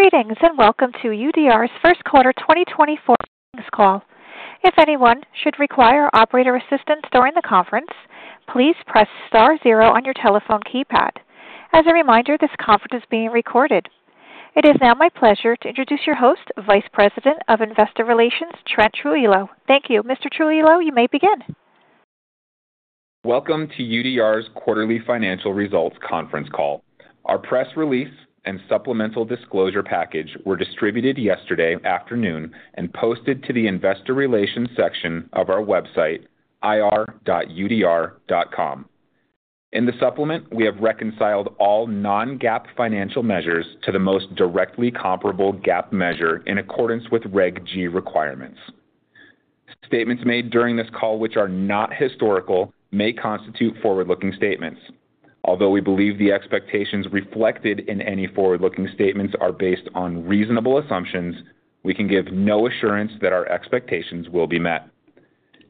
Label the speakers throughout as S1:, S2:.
S1: Greetings, and welcome to UDR's first quarter 2024 earnings call. If anyone should require operator assistance during the conference, please press star zero on your telephone keypad. As a reminder, this conference is being recorded. It is now my pleasure to introduce your host, Vice President of Investor Relations, Trent Trujillo. Thank you. Mr. Trujillo, you may begin.
S2: Welcome to UDR's quarterly financial results conference call. Our press release and supplemental disclosure package were distributed yesterday afternoon and posted to the investor relations section of our website, ir.udr.com. In the supplement, we have reconciled all non-GAAP financial measures to the most directly comparable GAAP measure in accordance with Reg G requirements. Statements made during this call, which are not historical, may constitute forward-looking statements. Although we believe the expectations reflected in any forward-looking statements are based on reasonable assumptions, we can give no assurance that our expectations will be met.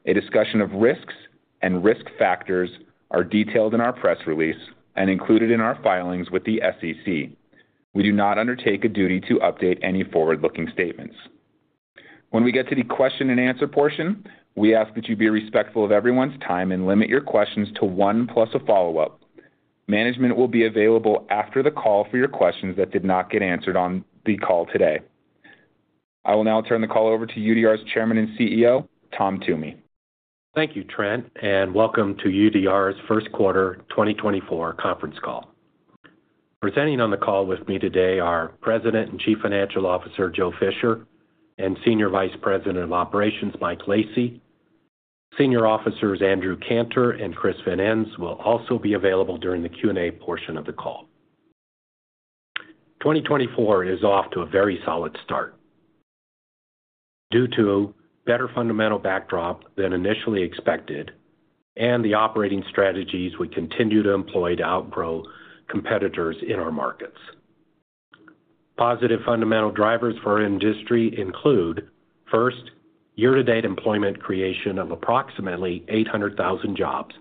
S2: A discussion of risks and risk factors are detailed in our press release and included in our filings with the SEC. We do not undertake a duty to update any forward-looking statements. When we get to the question and answer portion, we ask that you be respectful of everyone's time and limit your questions to one plus a follow-up. Management will be available after the call for your questions that did not get answered on the call today. I will now turn the call over to UDR's Chairman and CEO, Tom Toomey.
S3: Thank you, Trent, and welcome to UDR's first quarter 2024 conference call. Presenting on the call with me today are President and Chief Financial Officer, Joe Fisher, and Senior Vice President of Operations, Mike Lacy. Senior Officers Andrew Cantor and Chris Van Ens will also be available during the Q&A portion of the call. 2024 is off to a very solid start, due to better fundamental backdrop than initially expected and the operating strategies we continue to employ to outgrow competitors in our markets. Positive fundamental drivers for our industry include, first, year-to-date employment creation of approximately 800,000 jobs,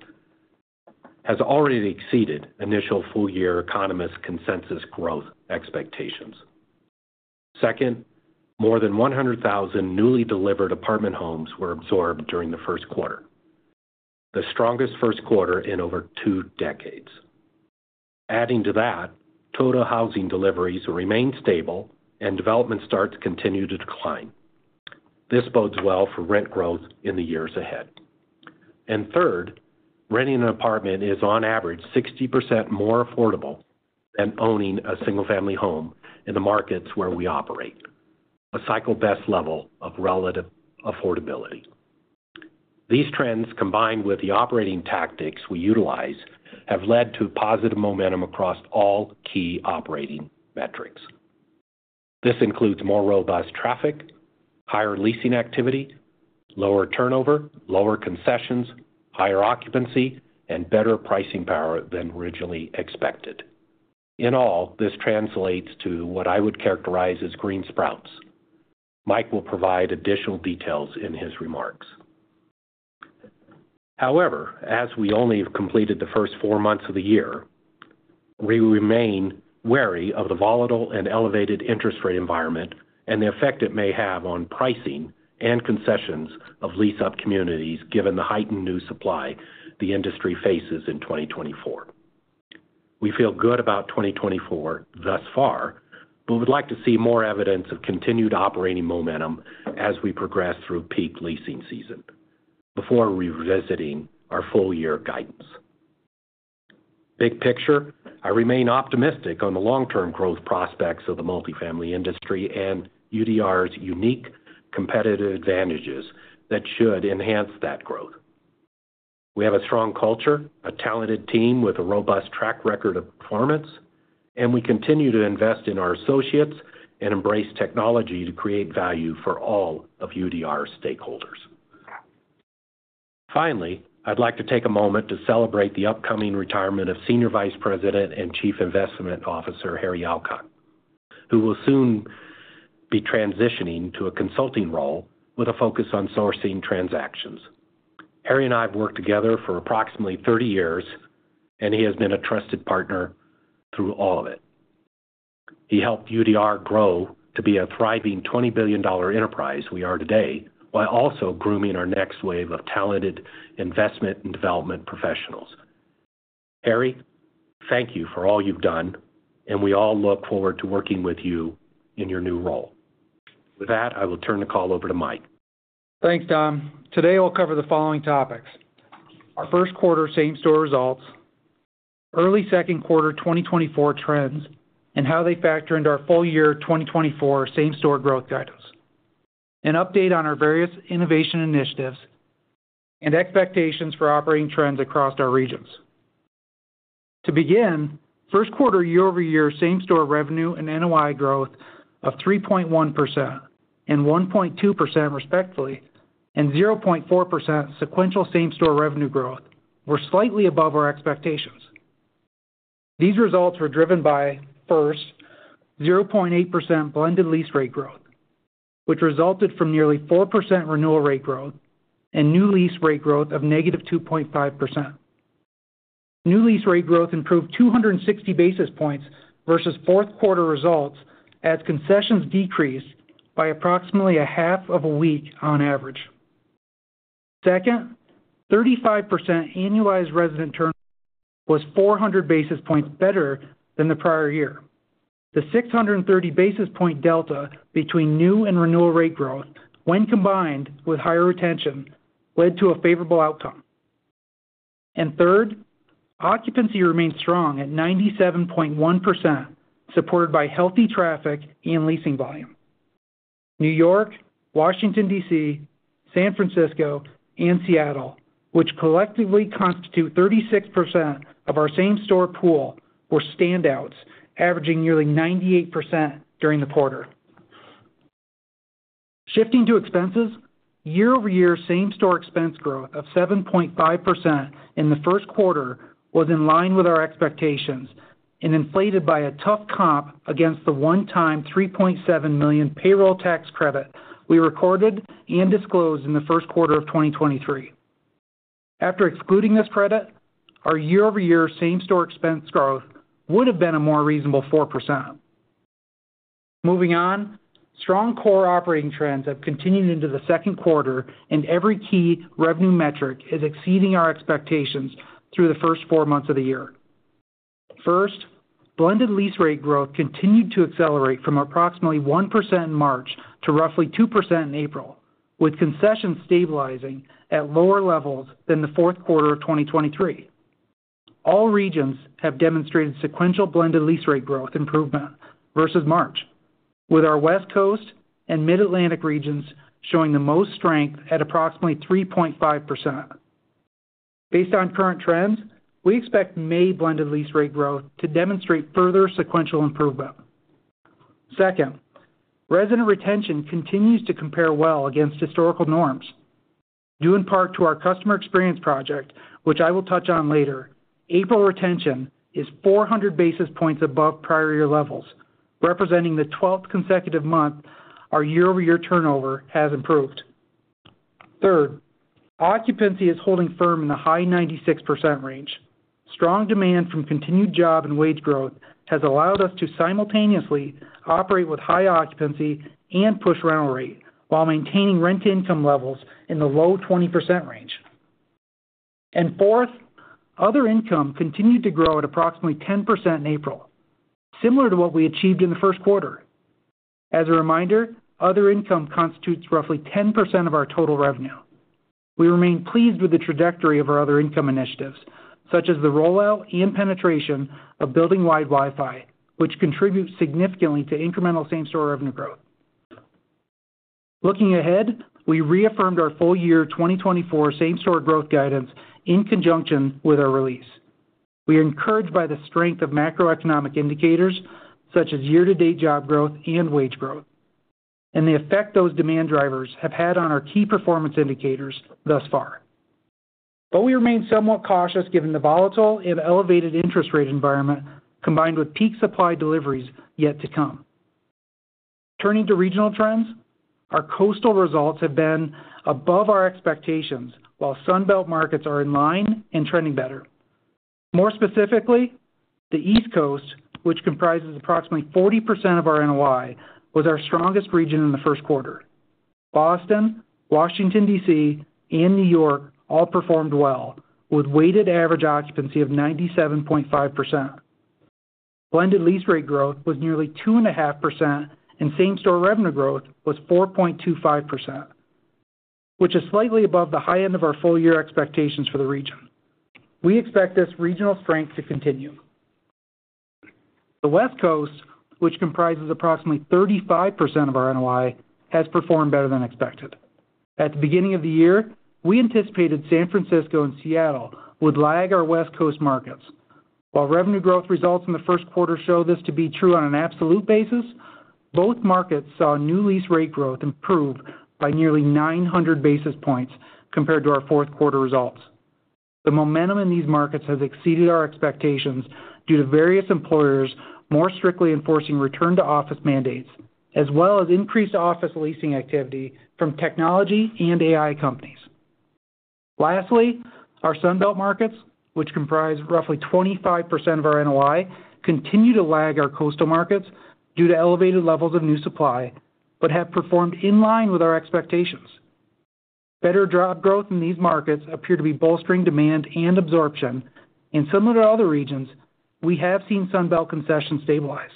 S3: has already exceeded initial full-year economist consensus growth expectations. Second, more than 100,000 newly delivered apartment homes were absorbed during the first quarter, the strongest first quarter in over two decades. Adding to that, total housing deliveries remain stable, and development starts continue to decline. This bodes well for rent growth in the years ahead. And third, renting an apartment is, on average, 60% more affordable than owning a single-family home in the markets where we operate, a cycle best level of relative affordability. These trends, combined with the operating tactics we utilize, have led to positive momentum across all key operating metrics. This includes more robust traffic, higher leasing activity, lower turnover, lower concessions, higher occupancy, and better pricing power than originally expected. In all, this translates to what I would characterize as green sprouts. Mike will provide additional details in his remarks. However, as we only have completed the first four months of the year, we remain wary of the volatile and elevated interest rate environment and the effect it may have on pricing and concessions of lease-up communities, given the heightened new supply the industry faces in 2024. We feel good about 2024 thus far, but we'd like to see more evidence of continued operating momentum as we progress through peak leasing season before revisiting our full year guidance. Big picture, I remain optimistic on the long-term growth prospects of the multifamily industry and UDR's unique competitive advantages that should enhance that growth. We have a strong culture, a talented team with a robust track record of performance, and we continue to invest in our associates and embrace technology to create value for all of UDR stakeholders. Finally, I'd like to take a moment to celebrate the upcoming retirement of Senior Vice President and Chief Investment Officer Harry Alcock, who will soon be transitioning to a consulting role with a focus on sourcing transactions. Harry and I have worked together for approximately 30 years, and he has been a trusted partner through all of it. He helped UDR grow to be a thriving $20 billion enterprise we are today, while also grooming our next wave of talented investment and development professionals. Harry, thank you for all you've done, and we all look forward to working with you in your new role. With that, I will turn the call over to Mike.
S4: Thanks, Tom. Today, we'll cover the following topics: Our first quarter same-store results, early second quarter 2024 trends, and how they factor into our full year 2024 Same-Store growth guidance, an update on our various innovation initiatives, and expectations for operating trends across our regions. To begin, first quarter year-over-year same-store revenue and NOI growth of 3.1% and 1.2%, respectively, and 0.4% sequential same-store revenue growth were slightly above our expectations. These results were driven by, first, 0.8% blended lease rate growth, which resulted from nearly 4% renewal rate growth and new lease rate growth of -2.5%. New lease rate growth improved 260 basis points versus fourth quarter results, as concessions decreased by approximately a half of a week on average. Second, 35% annualized resident turnover was 400 basis points better than the prior year. The 630 basis point delta between new and renewal rate growth, when combined with higher retention, led to a favorable outcome. And third, occupancy remained strong at 97.1%, supported by healthy traffic and leasing volume. New York, Washington, D.C., San Francisco, and Seattle, which collectively constitute 36% of our same-store pool, were standouts, averaging nearly 98% during the quarter. Shifting to expenses, year-over-year same-store expense growth of 7.5% in the first quarter was in line with our expectations and inflated by a tough comp against the one-time $3.7 million payroll tax credit we recorded and disclosed in the first quarter of 2023. After excluding this credit, our year-over-year same-store expense growth would have been a more reasonable 4%. Moving on, strong core operating trends have continued into the second quarter, and every key revenue metric is exceeding our expectations through the first four months of the year. First, blended lease rate growth continued to accelerate from approximately 1% in March to roughly 2% in April, with concessions stabilizing at lower levels than the fourth quarter of 2023. All regions have demonstrated sequential blended lease rate growth improvement versus March, with our West Coast and Mid-Atlantic regions showing the most strength at approximately 3.5%. Based on current trends, we expect May blended lease rate growth to demonstrate further sequential improvement. Second, resident retention continues to compare well against historical norms, due in part to our customer experience project, which I will touch on later. April retention is 400 basis points above prior year levels, representing the 12th consecutive month our year-over-year turnover has improved. Third, occupancy is holding firm in the high 96% range. Strong demand from continued job and wage growth has allowed us to simultaneously operate with high occupancy and push rental rate while maintaining rent income levels in the low 20% range. And fourth, other income continued to grow at approximately 10% in April, similar to what we achieved in the first quarter. As a reminder, other income constitutes roughly 10% of our total revenue. We remain pleased with the trajectory of our other income initiatives, such as the rollout and penetration of building-wide Wi-Fi, which contributes significantly to incremental same-store revenue growth. Looking ahead, we reaffirmed our full year 2024 same-store growth guidance in conjunction with our release. We are encouraged by the strength of macroeconomic indicators, such as year-to-date job growth and wage growth, and the effect those demand drivers have had on our key performance indicators thus far. But we remain somewhat cautious given the volatile and elevated interest rate environment, combined with peak supply deliveries yet to come. Turning to regional trends, our coastal results have been above our expectations, while Sun Belt markets are in line and trending better. More specifically, the East Coast, which comprises approximately 40% of our NOI, was our strongest region in the first quarter. Boston, Washington, D.C., and New York all performed well, with weighted average occupancy of 97.5%. Blended lease rate growth was nearly 2.5%, and same-store revenue growth was 4.25%, which is slightly above the high end of our full year expectations for the region. We expect this regional strength to continue. The West Coast, which comprises approximately 35% of our NOI, has performed better than expected. At the beginning of the year, we anticipated San Francisco and Seattle would lag our West Coast markets. While revenue growth results in the first quarter show this to be true on an absolute basis, both markets saw new lease rate growth improve by nearly 900 basis points compared to our fourth quarter results. The momentum in these markets has exceeded our expectations due to various employers more strictly enforcing return-to-office mandates, as well as increased office leasing activity from technology and AI companies. Lastly, our Sun Belt markets, which comprise roughly 25% of our NOI, continue to lag our coastal markets due to elevated levels of new supply, but have performed in line with our expectations. Better job growth in these markets appears to be bolstering demand and absorption, and similar to other regions, we have seen Sun Belt concessions stabilize,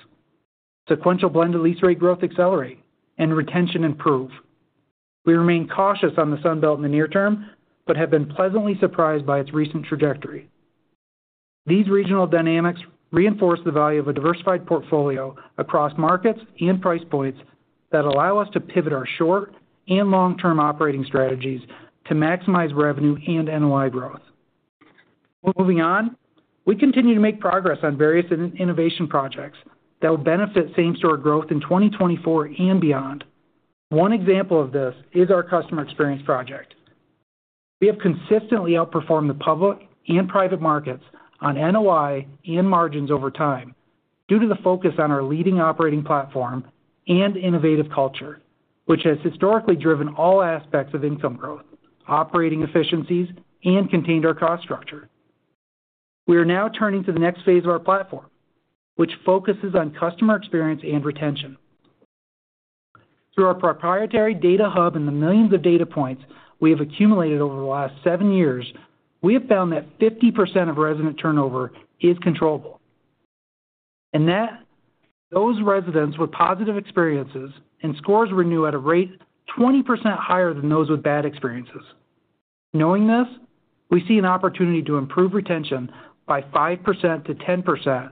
S4: sequential blended lease rate growth accelerate, and retention improve. We remain cautious on the Sun Belt in the near term, but have been pleasantly surprised by its recent trajectory. These regional dynamics reinforce the value of a diversified portfolio across markets and price points that allow us to pivot our short- and long-term operating strategies to maximize revenue and NOI growth. Moving on, we continue to make progress on various innovation projects that will benefit same-store growth in 2024 and beyond. One example of this is our customer experience project. We have consistently outperformed the public and private markets on NOI and margins over time. Due to the focus on our leading operating platform and innovative culture, which has historically driven all aspects of income growth, operating efficiencies, and contained our cost structure. We are now turning to the next phase of our platform, which focuses on customer experience and retention. Through our proprietary Data Hub and the millions of data points we have accumulated over the last seven years, we have found that 50% of resident turnover is controllable, and that those residents with positive experiences and scores renew at a rate 20% higher than those with bad experiences. Knowing this, we see an opportunity to improve retention by 5%-10%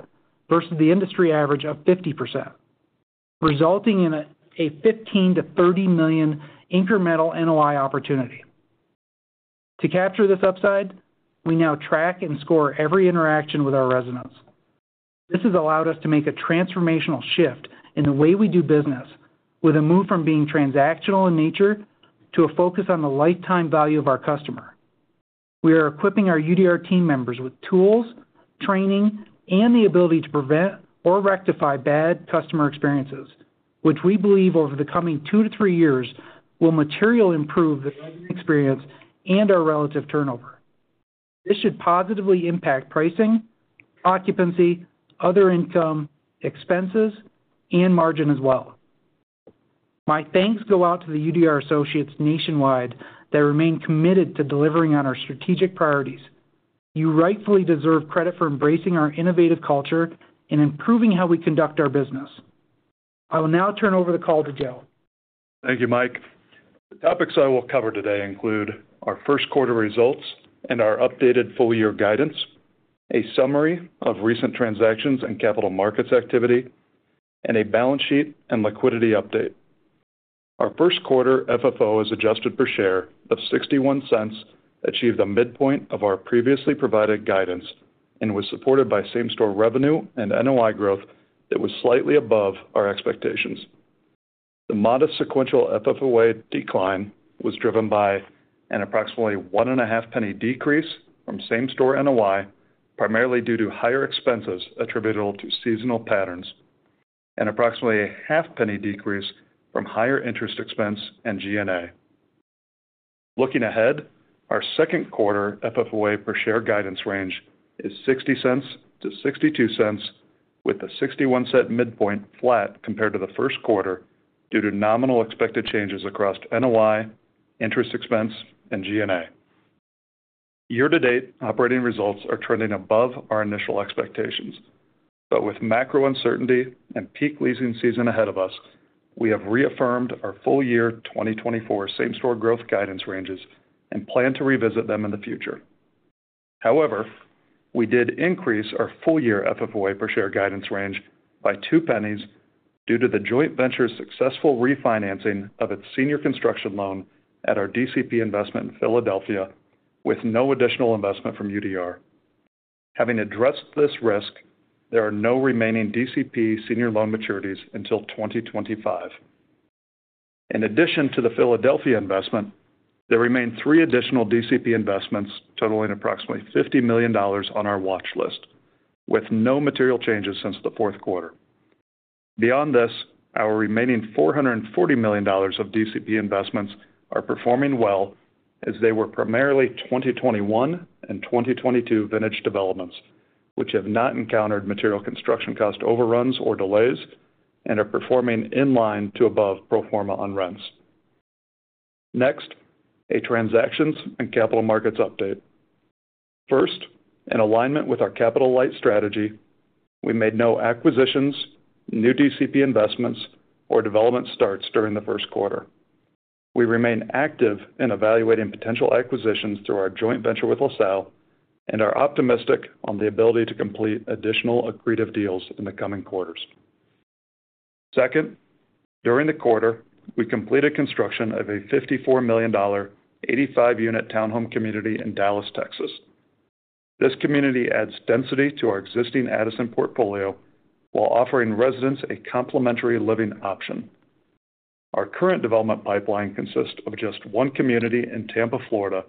S4: versus the industry average of 50%, resulting in $15 million-$30 million incremental NOI opportunity. To capture this upside, we now track and score every interaction with our residents. This has allowed us to make a transformational shift in the way we do business, with a move from being transactional in nature to a focus on the lifetime value of our customer. We are equipping our UDR team members with tools, training, and the ability to prevent or rectify bad customer experiences, which we believe over the coming two to three years, will materially improve the resident experience and our relative turnover. This should positively impact pricing, occupancy, other income, expenses, and margin as well. My thanks go out to the UDR associates nationwide that remain committed to delivering on our strategic priorities. You rightfully deserve credit for embracing our innovative culture and improving how we conduct our business. I will now turn over the call to Joe.
S5: Thank you, Mike. The topics I will cover today include our first quarter results and our updated full year guidance, a summary of recent transactions and capital markets activity, and a balance sheet and liquidity update. Our first quarter FFO as adjusted per share of $0.61 achieved the midpoint of our previously provided guidance and was supported by same-store revenue and NOI growth that was slightly above our expectations. The modest sequential FFOA decline was driven by an approximately $1.5 decrease from same-store NOI, primarily due to higher expenses attributable to seasonal patterns, and approximately a $0.5 decrease from higher interest expense and G&A. Looking ahead, our second quarter FFOA per share guidance range is $0.60-$0.62, with the $0.61 midpoint flat compared to the first quarter, due to nominal expected changes across NOI, interest expense, and G&A. Year-to-date operating results are trending above our initial expectations, but with macro uncertainty and peak leasing season ahead of us, we have reaffirmed our full year 2024 same-store growth guidance ranges and plan to revisit them in the future. However, we did increase our full year FFOA per share guidance range by $0.02 due to the joint venture's successful refinancing of its senior construction loan at our DCP investment in Philadelphia, with no additional investment from UDR. Having addressed this risk, there are no remaining DCP senior loan maturities until 2025. In addition to the Philadelphia investment, there remain three additional DCP investments totaling approximately $50 million on our watch list, with no material changes since the fourth quarter. Beyond this, our remaining $440 million of DCP investments are performing well, as they were primarily 2021 and 2022 vintage developments, which have not encountered material construction cost overruns or delays, and are performing in line to above pro forma on rents. Next, a transactions and capital markets update. First, in alignment with our capital light strategy, we made no acquisitions, new DCP investments, or development starts during the first quarter. We remain active in evaluating potential acquisitions through our joint venture with LaSalle, and are optimistic on the ability to complete additional accretive deals in the coming quarters. Second, during the quarter, we completed construction of a $54 million, 85-unit townhome community in Dallas, Texas. This community adds density to our existing Addison portfolio, while offering residents a complementary living option. Our current development pipeline consists of just one community in Tampa, Florida,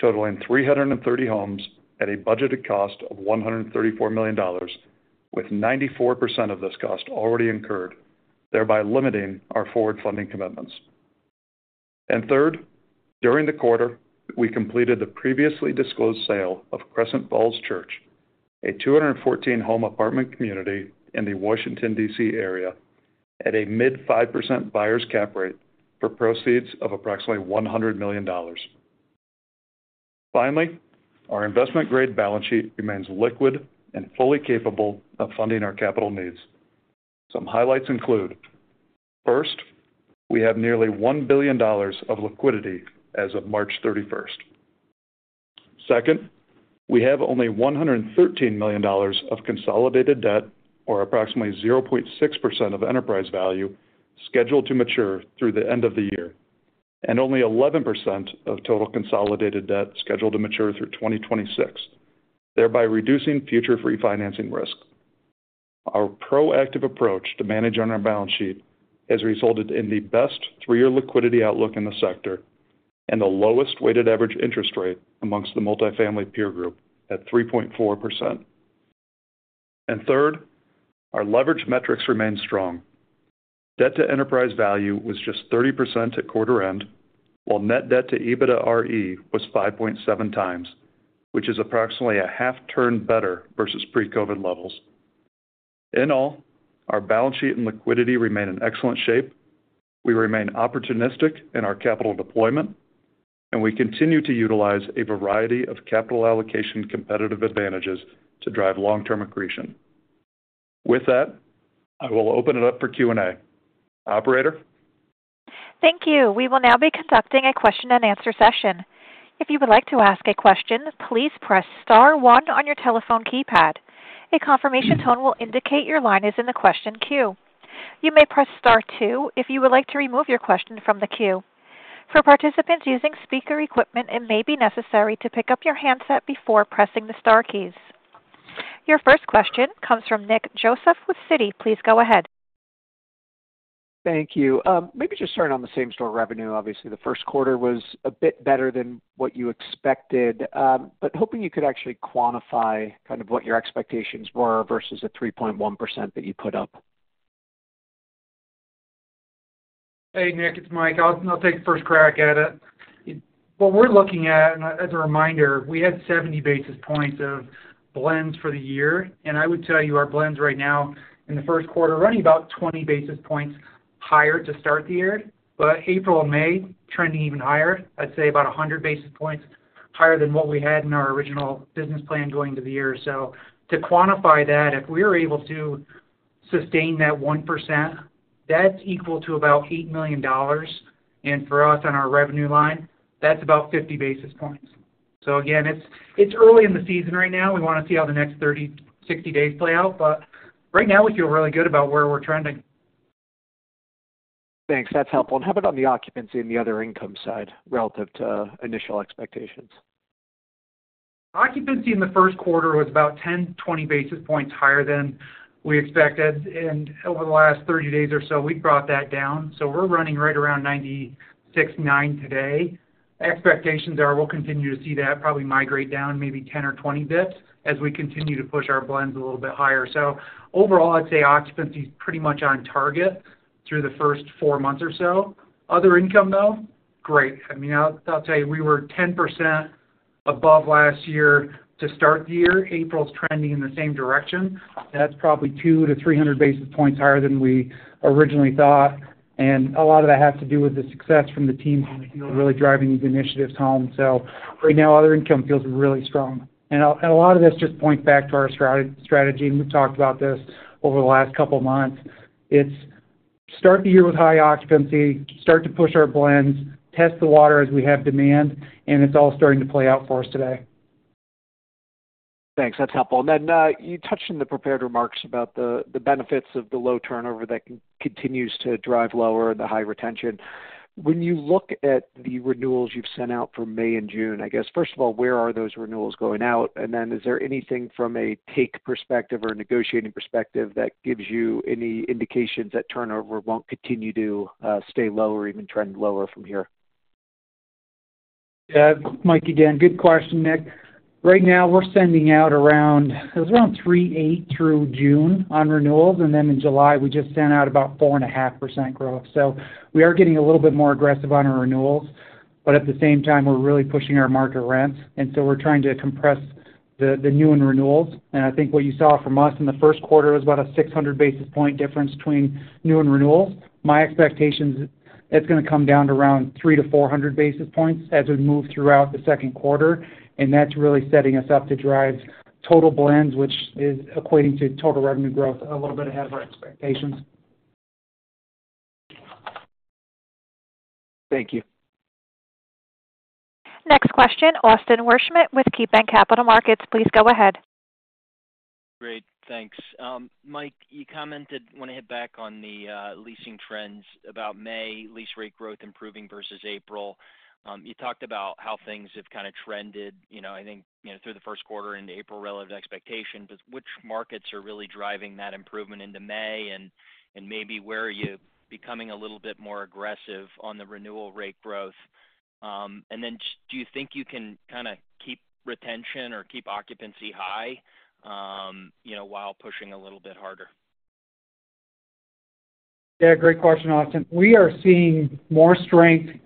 S5: totaling 330 homes at a budgeted cost of $134 million, with 94% of this cost already incurred, thereby limiting our forward funding commitments. And third, during the quarter, we completed the previously disclosed sale of Crescent Falls Church, a 214-home apartment community in the Washington, D.C. area at a mid-5% buyer's cap rate for proceeds of approximately $100 million. Finally, our investment-grade balance sheet remains liquid and fully capable of funding our capital needs. Some highlights include: First, we have nearly $1 billion of liquidity as of March 31. Second, we have only $115 million of consolidated debt, or approximately 0.6% of enterprise value, scheduled to mature through the end of the year, and only 11% of total consolidated debt scheduled to mature through 2026, thereby reducing future refinancing risk. Our proactive approach to manage on our balance sheet has resulted in the best three-year liquidity outlook in the sector.... and the lowest weighted average interest rate amongst the multifamily peer group at 3.4%. And third, our leverage metrics remain strong. Debt to enterprise value was just 30% at quarter end, while net debt to EBITDAre was 5.7x, which is approximately a half turn better versus pre-COVID levels. In all, our balance sheet and liquidity remain in excellent shape. We remain opportunistic in our capital deployment, and we continue to utilize a variety of capital allocation competitive advantages to drive long-term accretion. With that, I will open it up for Q&A. Operator?
S1: Thank you. We will now be conducting a question-and-answer session. If you would like to ask a question, please press star one on your telephone keypad. A confirmation tone will indicate your line is in the question queue. You may press star two if you would like to remove your question from the queue. For participants using speaker equipment, it may be necessary to pick up your handset before pressing the star keys. Your first question comes from Nick Joseph with Citi. Please go ahead.
S6: Thank you. Maybe just starting on the Same-Store revenue. Obviously, the first quarter was a bit better than what you expected, but hoping you could actually quantify kind of what your expectations were versus the 3.1% that you put up.
S4: Hey, Nick, it's Mike. I'll, I'll take the first crack at it. What we're looking at, and as a reminder, we had 70 basis points of blends for the year, and I would tell you our blends right now in the first quarter are running about 20 basis points higher to start the year, but April and May trending even higher. I'd say about 100 basis points higher than what we had in our original business plan going into the year. So to quantify that, if we're able to sustain that 1%, that's equal to about $8 million, and for us, on our revenue line, that's about 50 basis points. So again, it's, it's early in the season right now. We want to see how the next 30, 60 days play out, but right now we feel really good about where we're trending.
S6: Thanks. That's helpful. How about on the occupancy and the other income side relative to initial expectations?
S4: Occupancy in the first quarter was about 10-20 basis points higher than we expected, and over the last 30 days or so, we've brought that down. So we're running right around 96.9 today. Expectations are we'll continue to see that probably migrate down maybe 10 or 20 basis points as we continue to push our blends a little bit higher. So overall, I'd say occupancy is pretty much on target through the first four months or so. Other income, though, great. I mean, I'll tell you, we were 10% above last year to start the year. April's trending in the same direction. That's probably 200-300 basis points higher than we originally thought, and a lot of that has to do with the success from the teams on the field, really driving these initiatives home. So right now, other income feels really strong. And a lot of this just points back to our strategy, and we've talked about this over the last couple of months. It's start the year with high occupancy, start to push our blends, test the water as we have demand, and it's all starting to play out for us today.
S6: Thanks. That's helpful. And then, you touched in the prepared remarks about the benefits of the low turnover that continues to drive lower the high retention. When you look at the renewals you've sent out for May and June, I guess, first of all, where are those renewals going out? And then is there anything from a take perspective or a negotiating perspective that gives you any indications that turnover won't continue to stay low or even trend lower from here?
S4: Yeah, Mike again. Good question, Nick. Right now, we're sending out around... It was around 3.8% through June on renewals, and then in July, we just sent out about 4.5% growth. So we are getting a little bit more aggressive on our renewals, but at the same time, we're really pushing our market rents, and so we're trying to compress the, the new and renewals. And I think what you saw from us in the first quarter was about a 600 basis point difference between new and renewals. My expectation is it's gonna come down to around 300-400 basis points as we move throughout the second quarter, and that's really setting us up to drive total blends, which is equating to total revenue growth a little bit ahead of our expectations.
S6: Thank you.
S1: Next question, Austin Wurschmidt with KeyBanc Capital Markets. Please go ahead.
S7: Great. Thanks. Mike, you commented, want to hit back on the leasing trends about May, lease rate growth improving versus April. You talked about how things have kind of trended, you know, I think, you know, through the first quarter into April relative to expectations, but which markets are really driving that improvement into May? And, and maybe where are you becoming a little bit more aggressive on the renewal rate growth? And then do you think you can kind of keep retention or keep occupancy high, you know, while pushing a little bit harder?
S4: Yeah, great question, Austin. We are seeing more strength from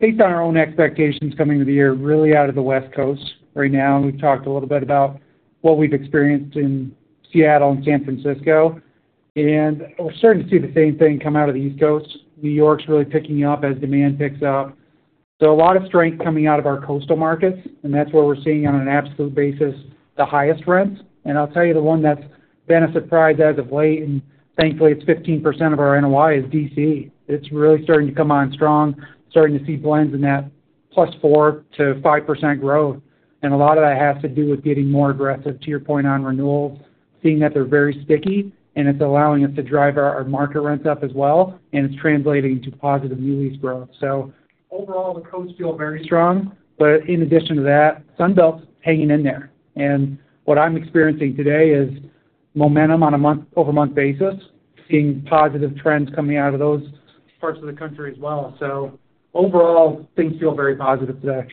S4: based on our own expectations coming to the year, really out of the West Coast right now, and we've talked a little bit about what we've experienced in Seattle and San Francisco, and we're starting to see the same thing come out of the East Coast. New York's really picking up as demand picks up. So a lot of strength coming out of our coastal markets, and that's where we're seeing on an absolute basis, the highest rents. And I'll tell you, the one that's been a surprise as of late, and thankfully, it's 15% of our NOI, is D.C. It's really starting to come on strong, starting to see blends in that +4% to 5% growth. And a lot of that has to do with getting more aggressive, to your point, on renewals, seeing that they're very sticky, and it's allowing us to drive our market rents up as well, and it's translating to positive new lease growth. So overall, the coasts feel very strong, but in addition to that, Sun Belt's hanging in there. And what I'm experiencing today is momentum on a month-over-month basis, seeing positive trends coming out of those parts of the country as well. So overall, things feel very positive today.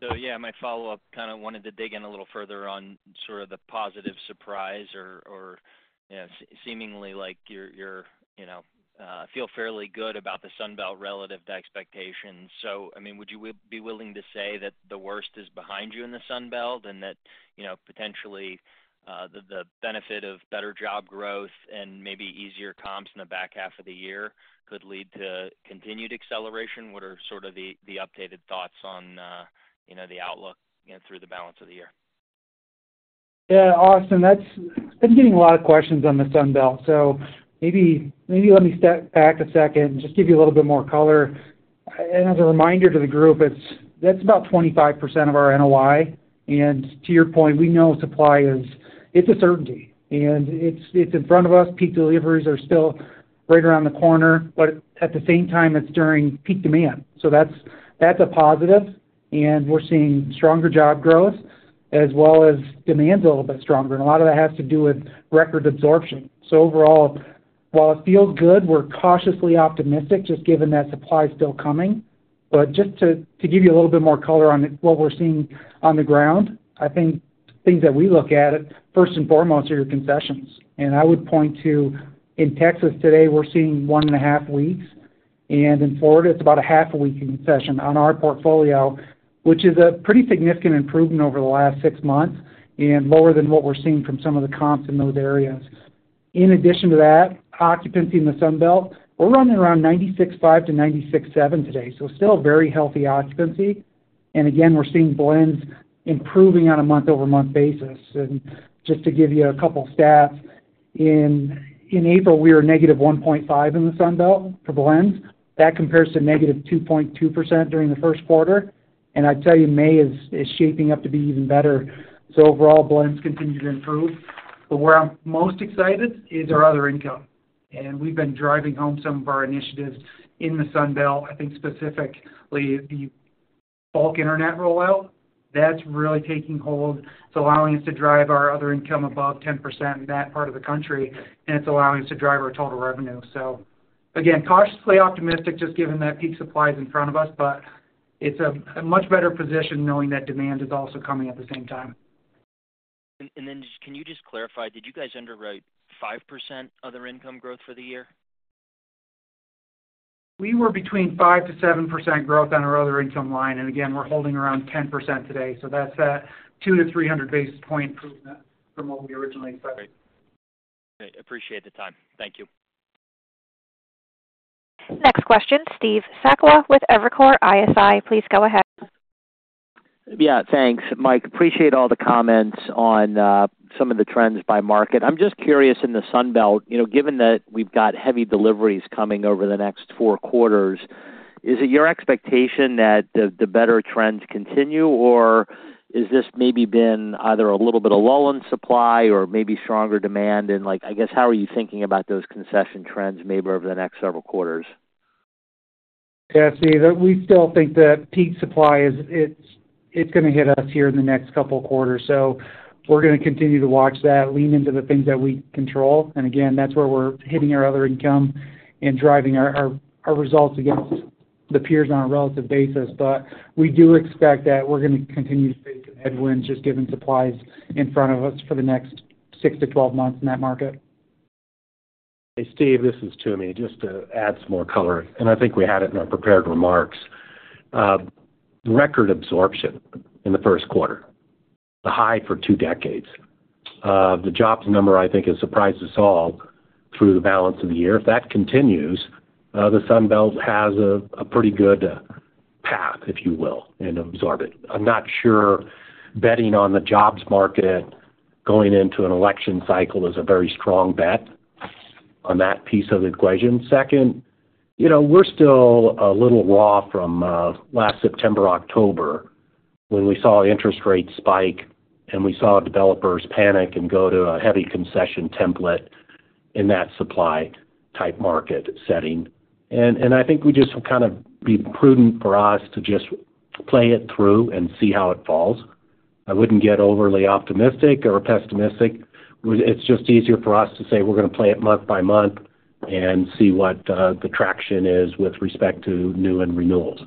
S7: So yeah, my follow-up, kind of wanted to dig in a little further on sort of the positive surprise or, yeah, seemingly like you, you know, feel fairly good about the Sun Belt relative to expectations. So, I mean, would you be willing to say that the worst is behind you in the Sun Belt and that, you know, potentially the benefit of better job growth and maybe easier comps in the back half of the year could lead to continued acceleration? What are sort of the updated thoughts on, you know, the outlook through the balance of the year?
S4: Yeah, Austin, that's. I've been getting a lot of questions on the Sun Belt, so maybe, maybe let me step back a second and just give you a little bit more color. As a reminder to the group, it's, that's about 25% of our NOI. To your point, we know supply is, it's a certainty, and it's, it's in front of us. Peak deliveries are still right around the corner, but at the same time, it's during peak demand. So that's, that's a positive, and we're seeing stronger job growth as well as demand's a little bit stronger, and a lot of that has to do with record absorption. So overall, while it feels good, we're cautiously optimistic, just given that supply is still coming. But just to give you a little bit more color on it, what we're seeing on the ground, I think things that we look at, first and foremost, are your concessions. And I would point to, in Texas today, we're seeing 1.5 weeks, and in Florida, it's about 0.5 week in concession on our portfolio, which is a pretty significant improvement over the last six months and lower than what we're seeing from some of the comps in those areas. In addition to that, occupancy in the Sun Belt, we're running around 96.5%-96.7% today, so still very healthy occupancy. And again, we're seeing blends improving on a month-over-month basis. And just to give you a couple stats, in April, we were -1.5% in the Sun Belt for blends. That compares to -2.2% during the first quarter. I'd tell you, May is shaping up to be even better. So overall, blends continue to improve. But where I'm most excited is our other income, and we've been driving home some of our initiatives in the Sun Belt. I think specifically, the bulk internet rollout, that's really taking hold. It's allowing us to drive our other income above 10% in that part of the country, and it's allowing us to drive our total revenue. So again, cautiously optimistic, just given that peak supply is in front of us, but it's a much better position knowing that demand is also coming at the same time.
S7: Then just, can you just clarify, did you guys underwrite 5% other income growth for the year?
S4: We were between 5%-7% growth on our other income line, and again, we're holding around 10% today, so that's a 200-300 basis points improvement from what we originally expected.
S7: Great. Appreciate the time. Thank you.
S1: Next question, Steve Sakwa with Evercore ISI. Please go ahead.
S8: Yeah, thanks, Mike. Appreciate all the comments on some of the trends by market. I'm just curious, in the Sun Belt, you know, given that we've got heavy deliveries coming over the next four quarters, is it your expectation that the better trends continue, or is this maybe been either a little bit of lull in supply or maybe stronger demand? And like, I guess, how are you thinking about those concession trends maybe over the next several quarters?
S4: Yeah, Steve, we still think that peak supply is; it's gonna hit us here in the next couple of quarters. So we're gonna continue to watch that, lean into the things that we control. And again, that's where we're hitting our other income and driving our results against the peers on a relative basis. But we do expect that we're gonna continue to face some headwinds, just given supply is in front of us for the next six to 12 months in that market.
S3: Hey, Steve, this is Tom. Just to add some more color, and I think we had it in our prepared remarks. Record absorption in the first quarter, the high for two decades. The jobs number, I think, has surprised us all through the balance of the year. If that continues, the Sun Belt has a pretty good path, if you will, and absorb it. I'm not sure betting on the jobs market going into an election cycle is a very strong bet on that piece of the equation. Second, you know, we're still a little raw from last September, October, when we saw interest rates spike and we saw developers panic and go to a heavy concession template in that supply-type market setting. And I think we just kind of be prudent for us to just play it through and see how it falls. I wouldn't get overly optimistic or pessimistic. We. It's just easier for us to say we're gonna play it month by month and see what the traction is with respect to new and renewals.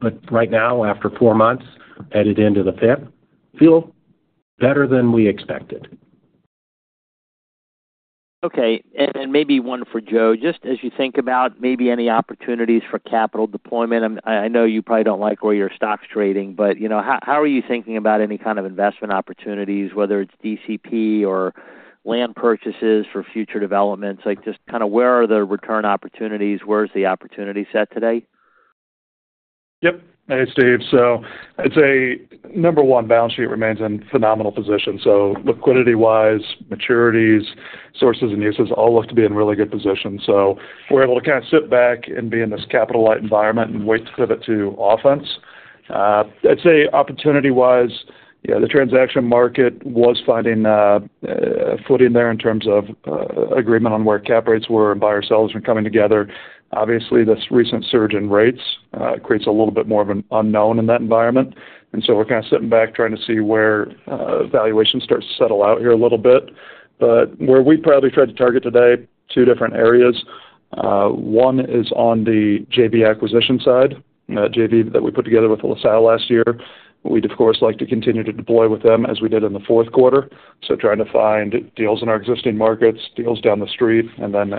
S3: But right now, after four months, headed into the fifth, feel better than we expected.
S8: Okay, and maybe one for Joe. Just as you think about maybe any opportunities for capital deployment, I know you probably don't like where your stock's trading, but you know, how are you thinking about any kind of investment opportunities, whether it's DCP or land purchases for future developments? Like, just kind of where are the return opportunities? Where is the opportunity set today?
S5: Yep. Hey, Steve. So I'd say, number one, balance sheet remains in phenomenal position. So liquidity-wise, maturities, sources and uses all look to be in really good position. So we're able to kind of sit back and be in this capital-light environment and wait to pivot to offense. I'd say opportunity-wise, yeah, the transaction market was finding footing there in terms of agreement on where cap rates were, and buyer sellers were coming together. Obviously, this recent surge in rates creates a little bit more of an unknown in that environment. And so we're kind of sitting back, trying to see where valuations start to settle out here a little bit. But where we probably try to target today, two different areas.... one is on the JV acquisition side, that JV that we put together with LaSalle last year. We'd, of course, like to continue to deploy with them as we did in the fourth quarter. So trying to find deals in our existing markets, deals down the street, and then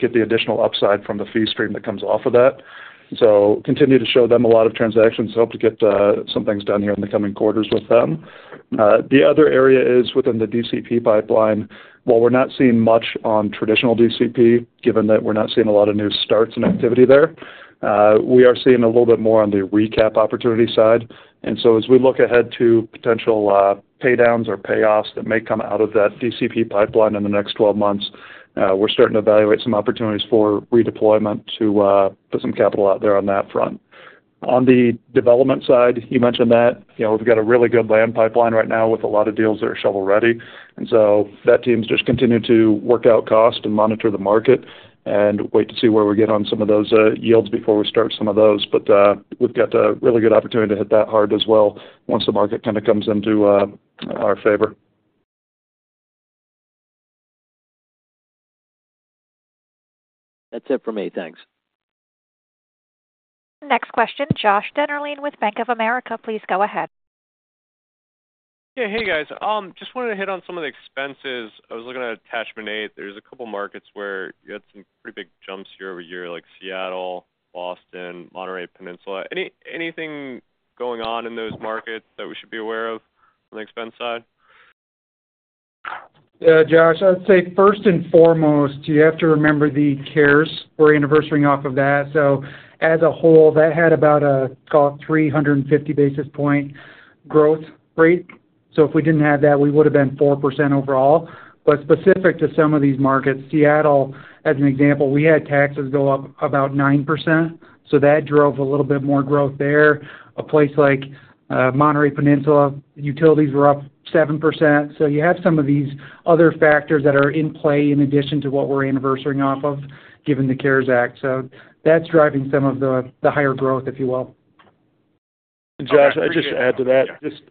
S5: get the additional upside from the fee stream that comes off of that. So continue to show them a lot of transactions, so hope to get some things done here in the coming quarters with them. The other area is within the DCP pipeline. While we're not seeing much on traditional DCP, given that we're not seeing a lot of new starts and activity there, we are seeing a little bit more on the recap opportunity side. As we look ahead to potential pay downs or payoffs that may come out of that DCP pipeline in the next 12 months, we're starting to evaluate some opportunities for redeployment to put some capital out there on that front. On the development side, you mentioned that, you know, we've got a really good land pipeline right now with a lot of deals that are shovel-ready. That team's just continued to work out cost and monitor the market and wait to see where we get on some of those yields before we start some of those. But we've got a really good opportunity to hit that hard as well, once the market kind of comes into our favor.
S8: That's it for me. Thanks.
S1: Next question, Josh Dennerlein with Bank of America. Please go ahead.
S9: Yeah. Hey, guys. Just wanted to hit on some of the expenses. I was looking at Attachment 8. There's a couple markets where you had some pretty big jumps year-over-year, like Seattle, Boston, Monterey Peninsula. Anything going on in those markets that we should be aware of on the expense side?
S4: Yeah, Josh, I'd say first and foremost, you have to remember the CARES. We're anniversarying off of that. So as a whole, that had about, call it 350 basis point growth rate. So if we didn't have that, we would've been 4% overall. But specific to some of these markets, Seattle, as an example, we had taxes go up about 9%, so that drove a little bit more growth there. A place like, Monterey Peninsula, utilities were up 7%. So you have some of these other factors that are in play in addition to what we're anniversarying off of, given the CARES Act. So that's driving some of the, the higher growth, if you will.
S5: Josh, I'd just add to that, just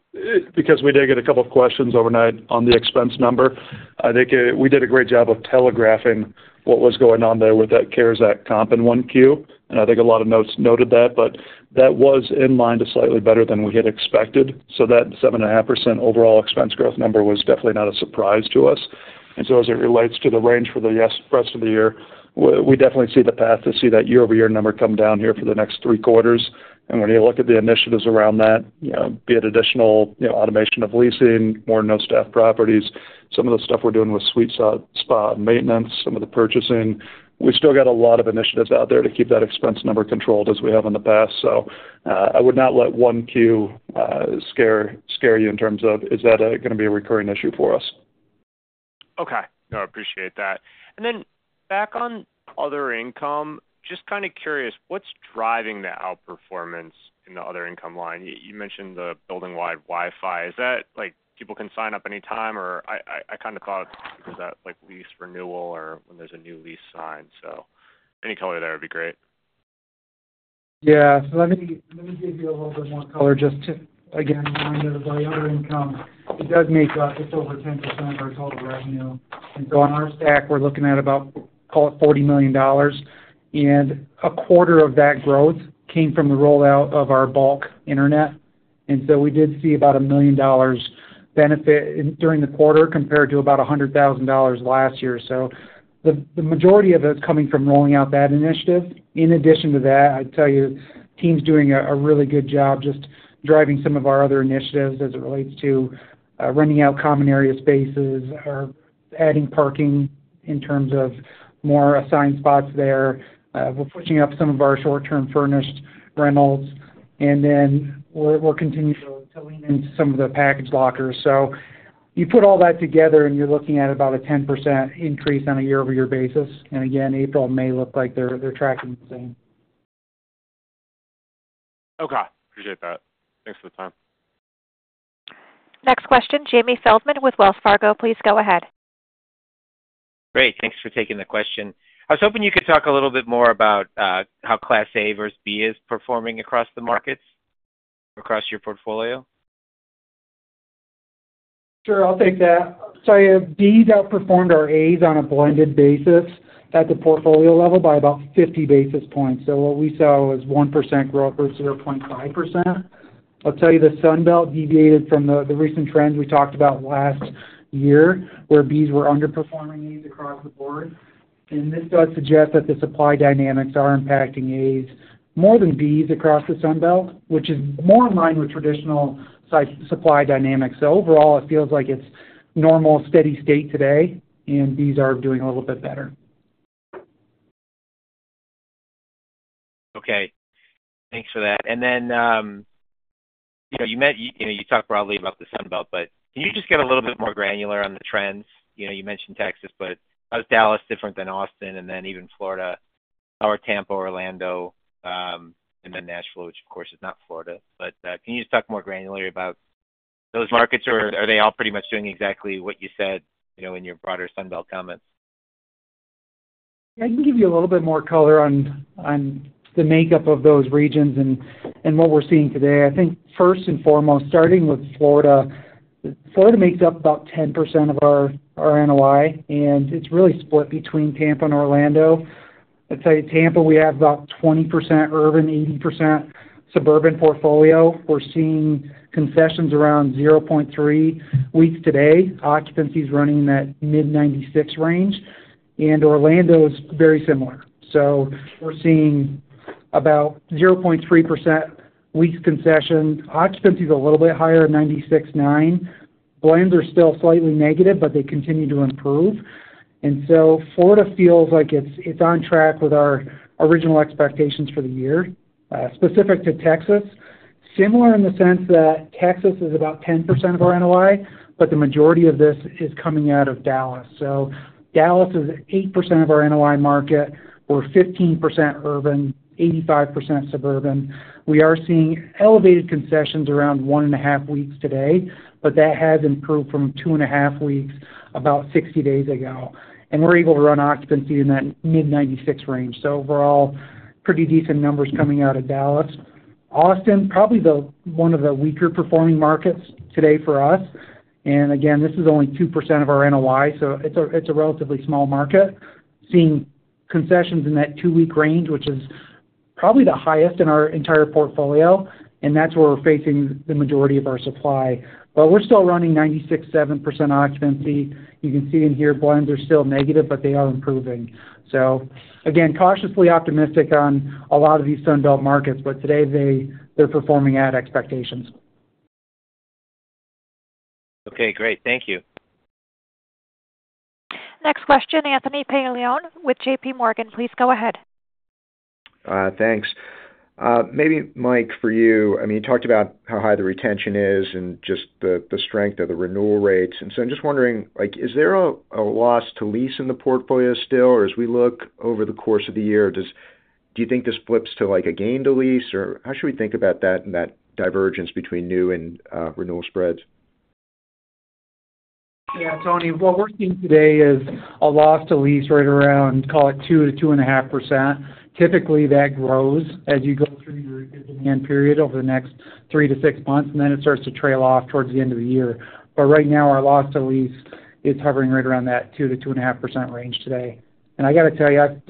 S5: because we did get a couple of questions overnight on the expense number. I think we did a great job of telegraphing what was going on there with that CARES Act comp in 1Q, and I think a lot of notes noted that, but that was in line to slightly better than we had expected. So that 7.5% overall expense growth number was definitely not a surprise to us. And so as it relates to the range for the, yes, rest of the year, we definitely see the path to see that year-over-year number come down here for the next three quarters. When you look at the initiatives around that, you know, be it additional, you know, automation of leasing, more no-staff properties, some of the stuff we're doing with SuiteSpot, some of the purchasing, we still got a lot of initiatives out there to keep that expense number controlled as we have in the past. So, I would not let 1Q scare you in terms of, is that gonna be a recurring issue for us?
S9: Okay. No, I appreciate that. And then back on other income, just kind of curious, what's driving the outperformance in the other income line? You mentioned the building-wide Wi-Fi. Is that, like, people can sign up any time? Or I kind of thought, is that like lease renewal or when there's a new lease signed? So any color there would be great.
S4: Yeah. So let me, let me give you a little bit more color just to... Again, remember, by other income, it does make up just over 10% of our total revenue. And so on our stack, we're looking at about, call it $40 million, and a quarter of that growth came from the rollout of our bulk internet. And so we did see about $1 million benefit during the quarter, compared to about $100,000 last year. So the, the majority of it's coming from rolling out that initiative. In addition to that, I'd tell you, team's doing a, a really good job just driving some of our other initiatives as it relates to, renting out common area spaces or adding parking in terms of more assigned spots there. We're pushing up some of our short-term furnished rentals, and then we'll continue to lean into some of the package lockers. So you put all that together, and you're looking at about a 10% increase on a year-over-year basis. And again, April and May look like they're tracking the same.
S9: Okay, appreciate that. Thanks for the time.
S1: Next question, Jamie Feldman with Wells Fargo. Please go ahead.
S10: Great. Thanks for taking the question. I was hoping you could talk a little bit more about how Class A versus B is performing across the markets, across your portfolio?
S4: Sure, I'll take that. So I have Bs outperformed our As on a blended basis at the portfolio level by about 50 basis points. So what we saw was 1% growth versus 0.5%. I'll tell you, the Sun Belt deviated from the recent trends we talked about last year, where Bs were underperforming As across the board. And this does suggest that the supply dynamics are impacting As more than Bs across the Sun Belt, which is more in line with traditional supply dynamics. So overall, it feels like it's normal, steady state today, and Bs are doing a little bit better.
S10: Okay, thanks for that. And then, you know, you mentioned Texas, but how's Dallas different than Austin, and then even Florida or Tampa, Orlando, and then Nashville, which, of course, is not Florida. But, can you just talk more granularly about those markets, or are they all pretty much doing exactly what you said, you know, in your broader Sun Belt comments?
S4: I can give you a little bit more color on the makeup of those regions and what we're seeing today. I think first and foremost, starting with Florida.... Florida makes up about 10% of our NOI, and it's really split between Tampa and Orlando. I'd say Tampa, we have about 20% urban, 80% suburban portfolio. We're seeing concessions around 0.3 weeks today. Occupancy is running in that mid-96% range, and Orlando is very similar. So we're seeing about 0.3% lease concession. Occupancy is a little bit higher, 96.9%. Blends are still slightly negative, but they continue to improve. And so Florida feels like it's on track with our original expectations for the year. Specific to Texas, similar in the sense that Texas is about 10% of our NOI, but the majority of this is coming out of Dallas. So Dallas is 8% of our NOI market, we're 15% urban, 85% suburban. We are seeing elevated concessions around 1.5 weeks today, but that has improved from 2.5 weeks, about 60 days ago. And we're able to run occupancy in that mid-96% range. So overall, pretty decent numbers coming out of Dallas. Austin, probably the one of the weaker performing markets today for us. And again, this is only 2% of our NOI, so it's a, it's a relatively small market. Seeing concessions in that 2-week range, which is probably the highest in our entire portfolio, and that's where we're facing the majority of our supply. But we're still running 96.7% occupancy. You can see in here, blends are still negative, but they are improving. So again, cautiously optimistic on a lot of these Sun Belt markets, but today they're performing at expectations.
S10: Okay, great. Thank you.
S1: Next question, Anthony Paolone with J.P. Morgan. Please go ahead.
S11: Thanks. Maybe, Mike, for you, I mean, you talked about how high the retention is and just the strength of the renewal rates. I'm just wondering, like, is there a loss to lease in the portfolio still? Or as we look over the course of the year, do you think this flips to, like, a gain to lease? Or how should we think about that and that divergence between new and renewal spreads?
S4: Yeah, Tony, what we're seeing today is a loss-to-lease right around, call it 2%-2.5%. Typically, that grows as you go through your end period over the next three to six months, and then it starts to trail off towards the end of the year. But right now, our loss-to-lease is hovering right around that 2%-2.5% range today. And I got to tell you, I'm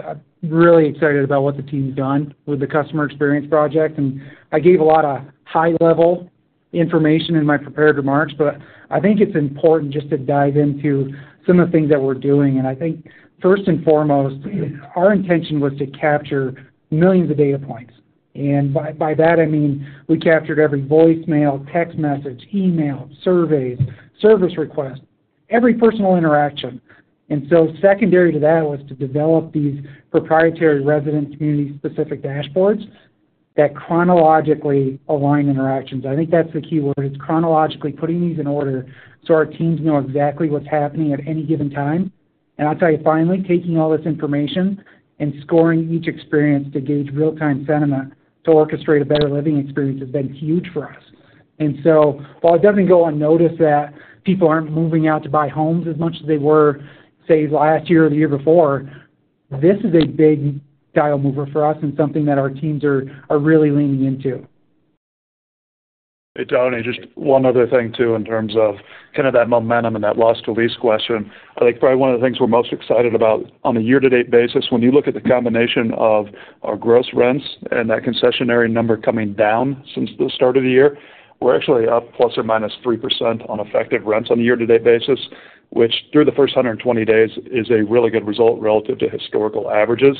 S4: really excited about what the team's done with the customer experience project, and I gave a lot of high-level information in my prepared remarks, but I think it's important just to dive into some of the things that we're doing. And I think first and foremost, our intention was to capture millions of data points. And by that, I mean, we captured every voicemail, text message, email, surveys, service requests, every personal interaction. And so secondary to that was to develop these proprietary resident community-specific dashboards that chronologically align interactions. I think that's the key word. It's chronologically putting these in order so our teams know exactly what's happening at any given time. And I'll tell you finally, taking all this information and scoring each experience to gauge real-time sentiment to orchestrate a better living experience has been huge for us. And so while it doesn't go unnoticed that people aren't moving out to buy homes as much as they were, say, last year or the year before, this is a big dial mover for us and something that our teams are really leaning into.
S5: Hey, Tony, just one other thing, too, in terms of kind of that momentum and that loss-to-lease question. I think probably one of the things we're most excited about on a year-to-date basis, when you look at the combination of our gross rents and that concessionary number coming down since the start of the year, we're actually up ±3% on effective rents on a year-to-date basis, which through the first 120 days, is a really good result relative to historical averages.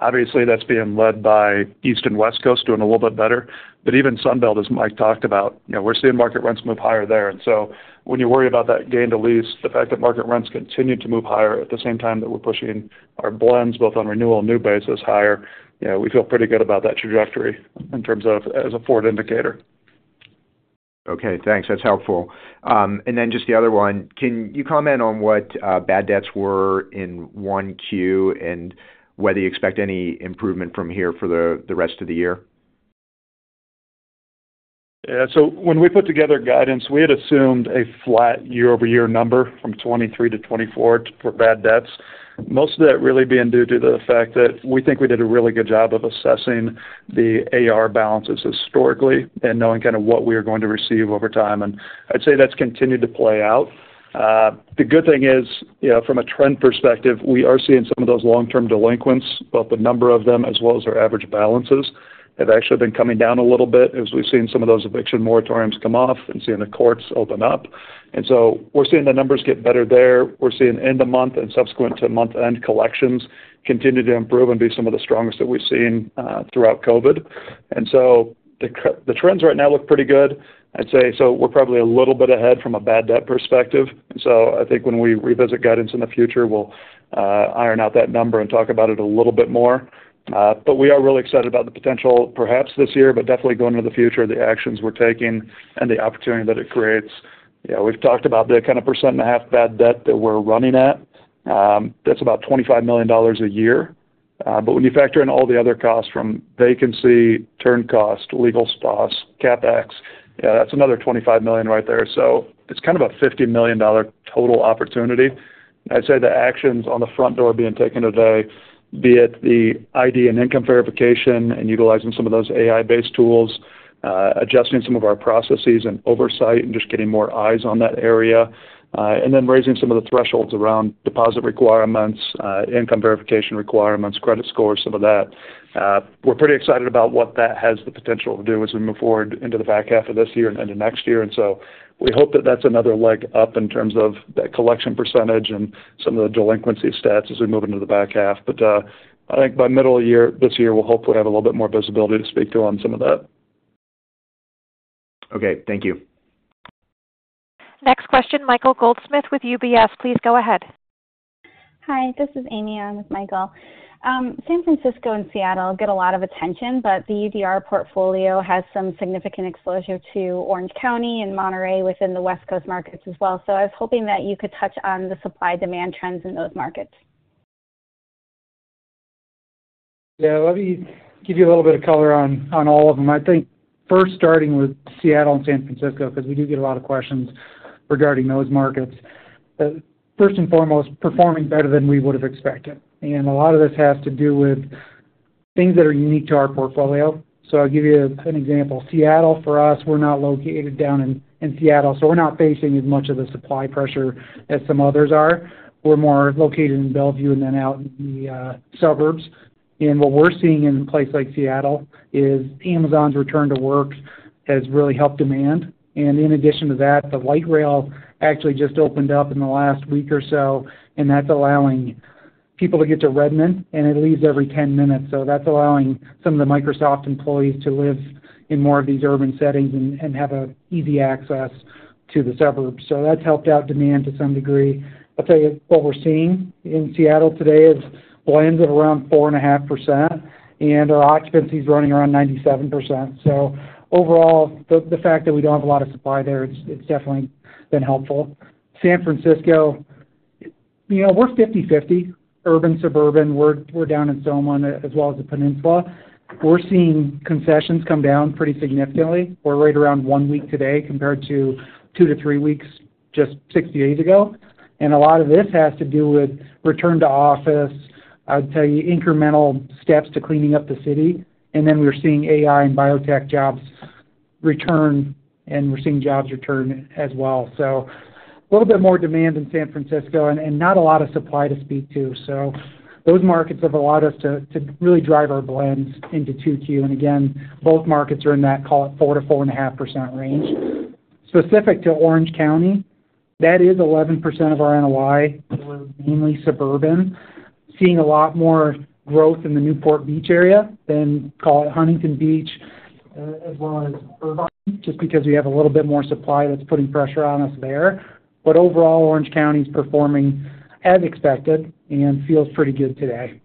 S5: Obviously, that's being led by East Coast and West Coast doing a little bit better. But even Sun Belt, as Mike talked about, you know, we're seeing market rents move higher there. And so when you worry about that gain to lease, the fact that market rents continue to move higher at the same time that we're pushing our blends both on renewal and new basis higher, you know, we feel pretty good about that trajectory in terms of as a forward indicator.
S11: Okay, thanks. That's helpful. And then just the other one, can you comment on what bad debts were in 1Q and whether you expect any improvement from here for the rest of the year?
S5: Yeah, so when we put together guidance, we had assumed a flat year-over-year number from 2023 to 2024 for bad debts. Most of that really being due to the fact that we think we did a really good job of assessing the AR balances historically and knowing kind of what we are going to receive over time. And I'd say that's continued to play out. The good thing is, you know, from a trend perspective, we are seeing some of those long-term delinquents, both the number of them as well as their average balances, have actually been coming down a little bit as we've seen some of those eviction moratoriums come off and seeing the courts open up. And so we're seeing the numbers get better there. We're seeing end of month and subsequent to month-end collections continue to improve and be some of the strongest that we've seen throughout COVID. And so the trends right now look pretty good. I'd say, so we're probably a little bit ahead from a bad debt perspective. So I think when we revisit guidance in the future, we'll iron out that number and talk about it a little bit more. But we are really excited about the potential, perhaps this year, but definitely going into the future, the actions we're taking and the opportunity that it creates. You know, we've talked about the kind of 1.5% bad debt that we're running at. That's about $25 million a year. But when you factor in all the other costs from vacancy, turn cost, legal costs, CapEx, yeah, that's another $25 million right there. So it's kind of a $50 million total opportunity. I'd say the actions on the front door being taken today, be it the ID and income verification and utilizing some of those AI-based tools, adjusting some of our processes and oversight, and just getting more eyes on that area, and then raising some of the thresholds around deposit requirements, income verification requirements, credit score, some of that. We're pretty excited about what that has the potential to do as we move forward into the back half of this year and into next year. And so we hope that that's another leg up in terms of that collection percentage and some of the delinquency stats as we move into the back half. But, I think by middle of year, this year, we'll hopefully have a little bit more visibility to speak to on some of that.
S11: Okay. Thank you.
S1: Next question, Michael Goldsmith with UBS. Please go ahead.
S12: Hi, this is Amy. I'm with Michael. San Francisco and Seattle get a lot of attention, but the UDR portfolio has some significant exposure to Orange County and Monterey within the West Coast markets as well. So I was hoping that you could touch on the supply-demand trends in those markets.
S4: Yeah, let me give you a little bit of color on all of them. I think first starting with Seattle and San Francisco, because we do get a lot of questions regarding those markets. But first and foremost, performing better than we would have expected, and a lot of this has to do with things that are unique to our portfolio. So I'll give you an example. Seattle, for us, we're not located down in Seattle, so we're not facing as much of the supply pressure as some others are. We're more located in Bellevue and then out in the suburbs. And what we're seeing in a place like Seattle is Amazon's return to work has really helped demand. And in addition to that, the light rail actually just opened up in the last week or so, and that's allowing people to get to Redmond, and it leaves every 10 minutes. So that's allowing some of the Microsoft employees to live in more of these urban settings and, and have a easy access to the suburbs. So that's helped out demand to some degree. I'll tell you, what we're seeing in Seattle today is blends at around 4.5%, and our occupancy is running around 97%. So overall, the fact that we don't have a lot of supply there, it's definitely been helpful. San Francisco, you know, we're 50/50, urban, suburban. We're down in SoMa as well as the Peninsula. We're seeing concessions come down pretty significantly. We're right around one week today compared to two to three weeks, just 60 days ago. A lot of this has to do with return to office. I'd tell you, incremental steps to cleaning up the city, and then we're seeing AI and biotech jobs return, and we're seeing jobs return as well. So a little bit more demand in San Francisco and not a lot of supply to speak to. So those markets have allowed us to really drive our blends into 2Q. And again, both markets are in that, call it, 4%-4.5% range. Specific to Orange County, that is 11% of our NOI. We're mainly suburban, seeing a lot more growth in the Newport Beach area than, call it, Huntington Beach, as well as Irvine, just because we have a little bit more supply that's putting pressure on us there. But overall, Orange County is performing as expected and feels pretty good today.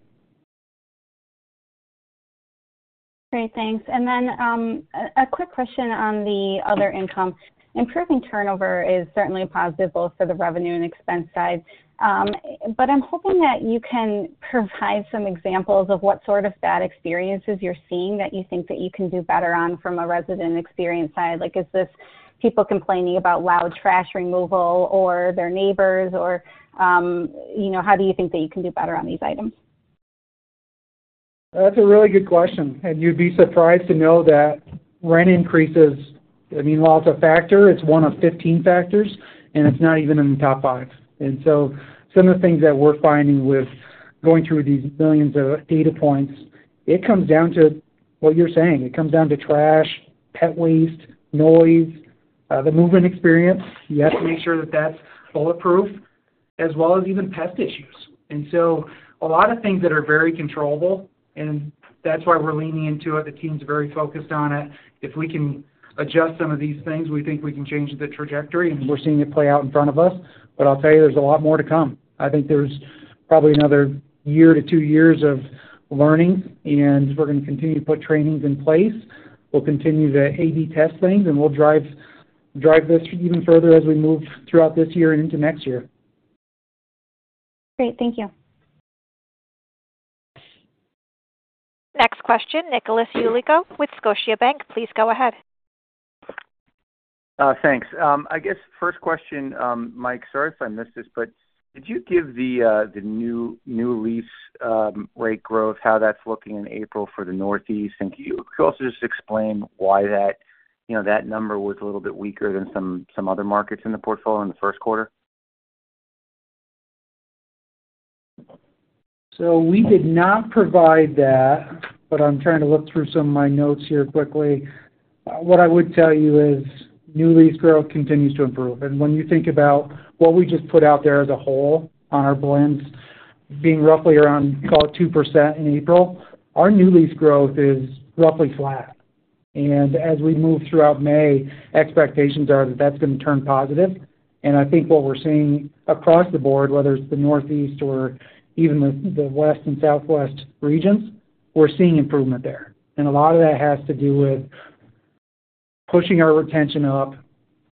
S12: Great. Thanks. And then, a quick question on the other income. Improving turnover is certainly a positive both for the revenue and expense side. But I'm hoping that you can provide some examples of what sort of bad experiences you're seeing that you think that you can do better on from a resident experience side. Like, is this people complaining about loud trash removal or their neighbors, or, you know, how do you think that you can do better on these items?
S4: That's a really good question, and you'd be surprised to know that rent increases, I mean, while it's a factor, it's one of 15 factors, and it's not even in the top five. And so some of the things that we're finding with going through these billions of data points, it comes down to what you're saying. It comes down to trash, pet waste, noise, the movement experience. You have to make sure that that's bulletproof, as well as even pest issues. And so a lot of things that are very controllable, and that's why we're leaning into it. The team's very focused on it. If we can adjust some of these things, we think we can change the trajectory, and we're seeing it play out in front of us. But I'll tell you, there's a lot more to come. I think there's probably another year to two years of learning, and we're going to continue to put trainings in place. We'll continue to AB test things, and we'll drive, drive this even further as we move throughout this year and into next year.
S12: Great. Thank you.
S1: Next question, Nicholas Yulico with Scotiabank. Please go ahead.
S13: Thanks. I guess first question, Mike, sorry if I missed this, but did you give the new lease rate growth, how that's looking in April for the Northeast? And could you also just explain why that, you know, that number was a little bit weaker than some other markets in the portfolio in the first quarter?
S4: So we did not provide that, but I'm trying to look through some of my notes here quickly. What I would tell you is new lease growth continues to improve. And when you think about what we just put out there as a whole on our blends being roughly around, call it, 2% in April, our new lease growth is roughly flat. And as we move throughout May, expectations are that that's going to turn positive. And I think what we're seeing across the board, whether it's the Northeast or even the, the West and Southwest regions, we're seeing improvement there. And a lot of that has to do with pushing our retention up,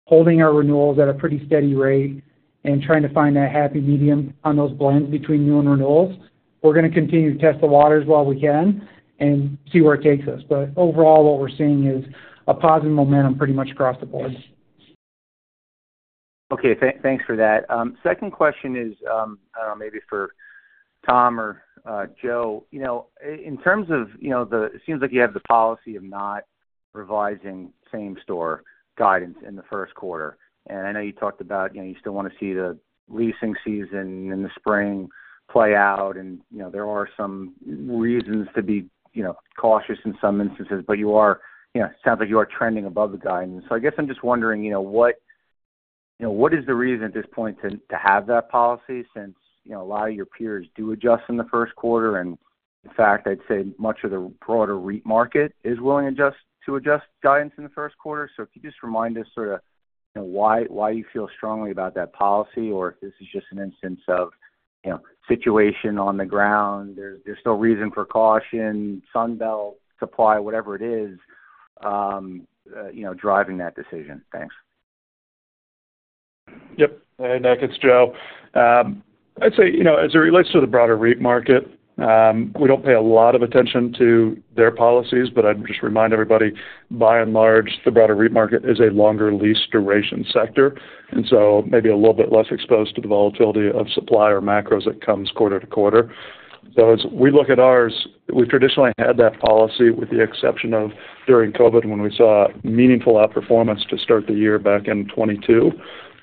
S4: holding our renewals at a pretty steady rate, and trying to find that happy medium on those blends between new and renewals. We're going to continue to test the waters while we can and see where it takes us. But overall, what we're seeing is a positive momentum pretty much across the board.
S13: Okay, thanks for that. Second question is, maybe for Tom or Joe. You know, in terms of, you know, it seems like you have the policy of not revising same-store guidance in the first quarter. And I know you talked about, you know, you still want to see the leasing season in the spring play out, and, you know, there are some reasons to be, you know, cautious in some instances. But you are, you know, it sounds like you are trending above the guidance. So I guess I'm just wondering, you know, what, you know, what is the reason at this point to have that policy since, you know, a lot of your peers do adjust in the first quarter? In fact, I'd say much of the broader REIT market is willing to adjust guidance in the first quarter. So if you could just remind us sort of, you know, why you feel strongly about that policy, or if this is just an instance of, you know, situation on the ground, there's still reason for caution, Sun Belt supply, whatever it is, you know, driving that decision? Thanks.
S5: Yep. Hey, Nick, it's Joe. I'd say, you know, as it relates to the broader REIT market, we don't pay a lot of attention to their policies, but I'd just remind everybody, by and large, the broader REIT market is a longer lease duration sector, and so maybe a little bit less exposed to the volatility of supply or macros that comes quarter to quarter. So as we look at ours, we've traditionally had that policy, with the exception of during COVID, when we saw meaningful outperformance to start the year back in 2022.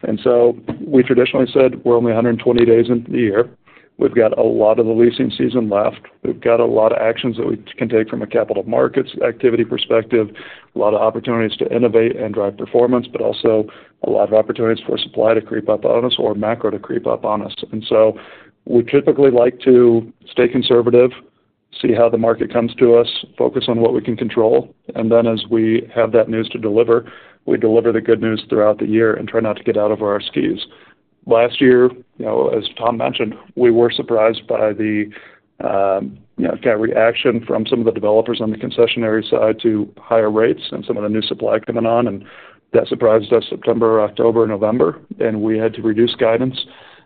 S5: And so we traditionally said, we're only 120 days into the year. We've got a lot of the leasing season left. We've got a lot of actions that we can take from a capital markets activity perspective, a lot of opportunities to innovate and drive performance, but also a lot of opportunities for supply to creep up on us or macro to creep up on us. And so we typically like to stay conservative, see how the market comes to us, focus on what we can control, and then as we have that news to deliver, we deliver the good news throughout the year and try not to get out of our skis. Last year, you know, as Tom mentioned, we were surprised by the, you know, kind of, reaction from some of the developers on the concessionary side to higher rates and some of the new supply coming on, and that surprised us September, October, November, and we had to reduce guidance.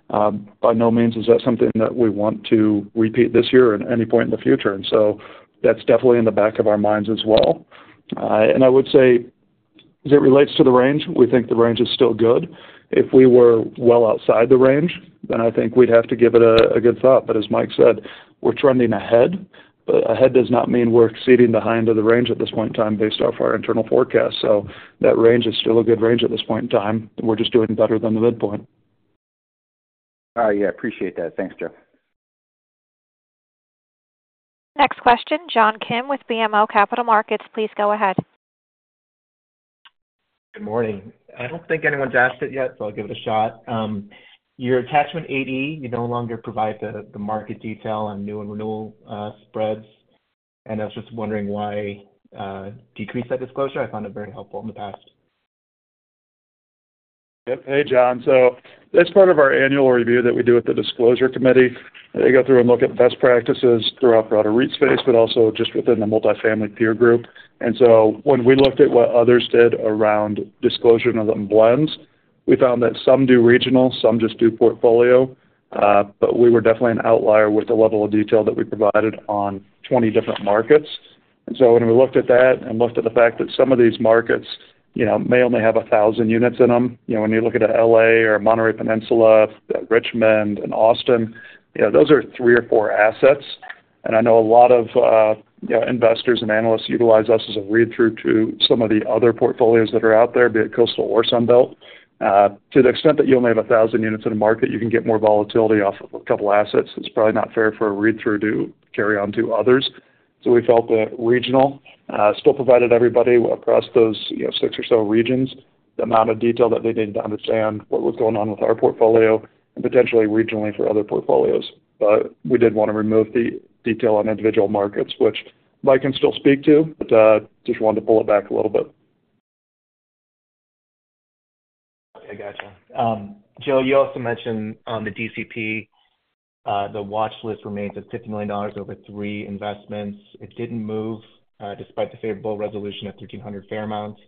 S5: By no means is that something that we want to repeat this year or at any point in the future. So that's definitely in the back of our minds as well. I would say, as it relates to the range, we think the range is still good. If we were well outside the range, then I think we'd have to give it a, a good thought. As Mike said, we're trending ahead, but ahead does not mean we're exceeding the high end of the range at this point in time, based off our internal forecast. That range is still a good range at this point in time. We're just doing better than the midpoint.
S13: Yeah, appreciate that. Thanks, Joe.
S1: Next question, John Kim with BMO Capital Markets. Please go ahead.
S14: Good morning. I don't think anyone's asked it yet, so I'll give it a shot. Your Attachment 8 you no longer provide the market detail on new and renewal spreads, and I was just wondering why decrease that disclosure. I found it very helpful in the past.
S5: Yep. Hey, John. So that's part of our annual review that we do with the disclosure committee. They go through and look at best practices throughout broader REIT space, but also just within the multifamily peer group. And so when we looked at what others did around disclosure of blends, we found that some do regional, some just do portfolio, but we were definitely an outlier with the level of detail that we provided on 20 different markets. And so when we looked at that and looked at the fact that some of these markets, you know, may only have 1,000 units in them, you know, when you look at a LA or Monterey Peninsula, Richmond and Austin, you know, those are three or four assets. And I know a lot of, you know, investors and analysts utilize us as a read-through to some of the other portfolios that are out there, be it Coastal or Sun Belt. To the extent that you only have 1,000 units in a market, you can get more volatility off of a couple assets. It's probably not fair for a read-through to carry on to others. So we felt that regional still provided everybody across those, you know, six or so regions, the amount of detail that they needed to understand what was going on with our portfolio and potentially regionally for other portfolios. But we did want to remove the detail on individual markets, which Mike can still speak to, but just wanted to pull it back a little bit.
S14: I gotcha. Joe, you also mentioned on the DCP, the watch list remains at $50 million over three investments. It didn't move, despite the favorable resolution of 1300 Fairmount.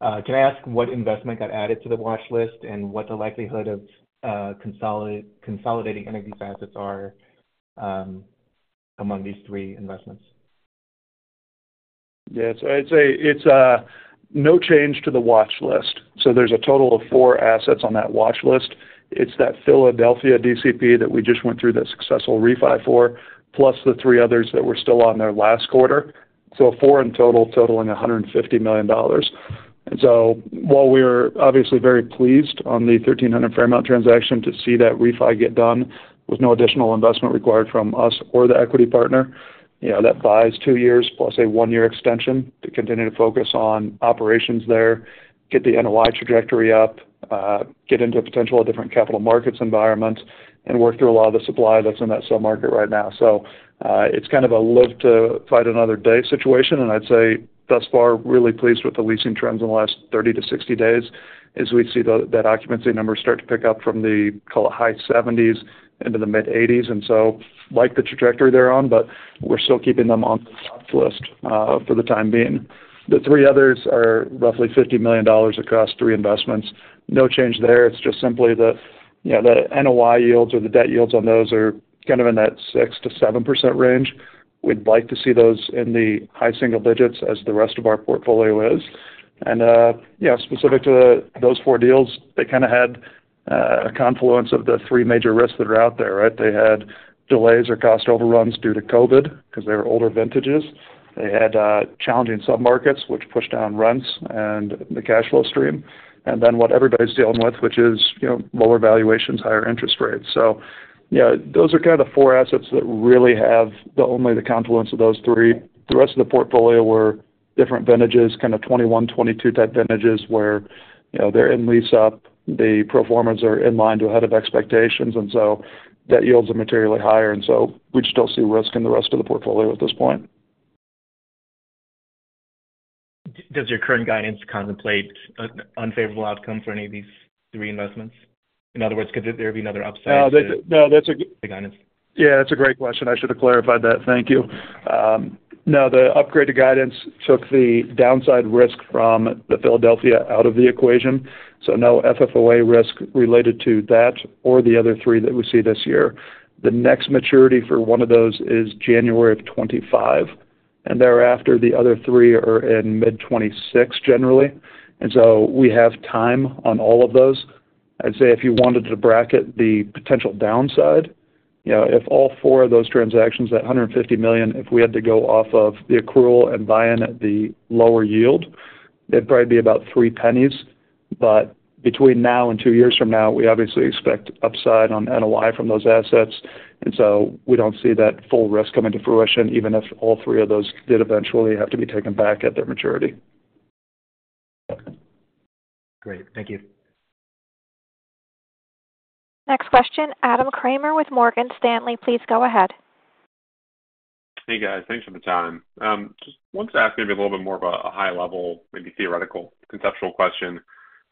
S14: Can I ask what investment got added to the watch list and what the likelihood of consolidating any of these assets are, among these three investments?
S5: Yeah, no change to the watch list. So there's a total of four assets on that watch list. It's that Philadelphia DCP that we just went through that successful refi for, plus the three others that were still on there last quarter. So four in total, totaling $150 million. And so while we're obviously very pleased on the 1300 Fairmount transaction to see that refi get done with no additional investment required from us or the equity partner, you know, that buys two years, plus a one-year extension to continue to focus on operations there, get the NOI trajectory up, get into a potential different capital markets environment, and work through a lot of the supply that's in that submarket right now. So, it's kind of a live to fight another day situation, and I'd say, thus far, really pleased with the leasing trends in the last 30 to 60 days as we see the occupancy numbers start to pick up from the, call it, high 70s into the mid-80s. And so like the trajectory they're on, but we're still keeping them on the watch list, for the time being. The three others are roughly $50 million across three investments. No change there. It's just simply the, you know, the NOI yields or the debt yields on those are kind of in that 6%-7% range. We'd like to see those in the high single digits as the rest of our portfolio is. And, yeah, specific to those four deals, they kind of had a confluence of the three major risks that are out there, right? They had delays or cost overruns due to COVID, because they were older vintages. They had challenging submarkets, which pushed down rents and the cash flow stream, and then what everybody's dealing with, which is, you know, lower valuations, higher interest rates. So yeah, those are kind of the four assets that really have the only, the confluence of those three. The rest of the portfolio were different vintages, kind of 2021, 2022 type vintages, where, you know, they're in lease up, the pro formas are in line to ahead of expectations, and so debt yields are materially higher, and so we just don't see risk in the rest of the portfolio at this point.
S14: Does your current guidance contemplate an unfavorable outcome for any of these three investments? In other words, could there be another upside to-
S5: No, that's a g-
S14: -the guidance?
S5: Yeah, that's a great question. I should have clarified that. Thank you. No, the upgraded guidance took the downside risk from the Philadelphia out of the equation, so no FFOA risk related to that or the other three that we see this year. The next maturity for one of those is January of 2025, and thereafter, the other three are in mid-2026, generally. And so we have time on all of those. I'd say if you wanted to bracket the potential downside, you know, if all four of those transactions, that $150 million, if we had to go off of the accrual and buy-in at the lower yield, it'd probably be about $0.03. Between now and two years from now, we obviously expect upside on NOI from those assets, and so we don't see that full risk coming to fruition, even if all three of those did eventually have to be taken back at their maturity.
S14: Great. Thank you.
S1: Next question, Adam Kramer with Morgan Stanley. Please go ahead.
S15: Hey, guys, thanks for the time. Just wanted to ask maybe a little bit more of a high level, maybe theoretical, conceptual question.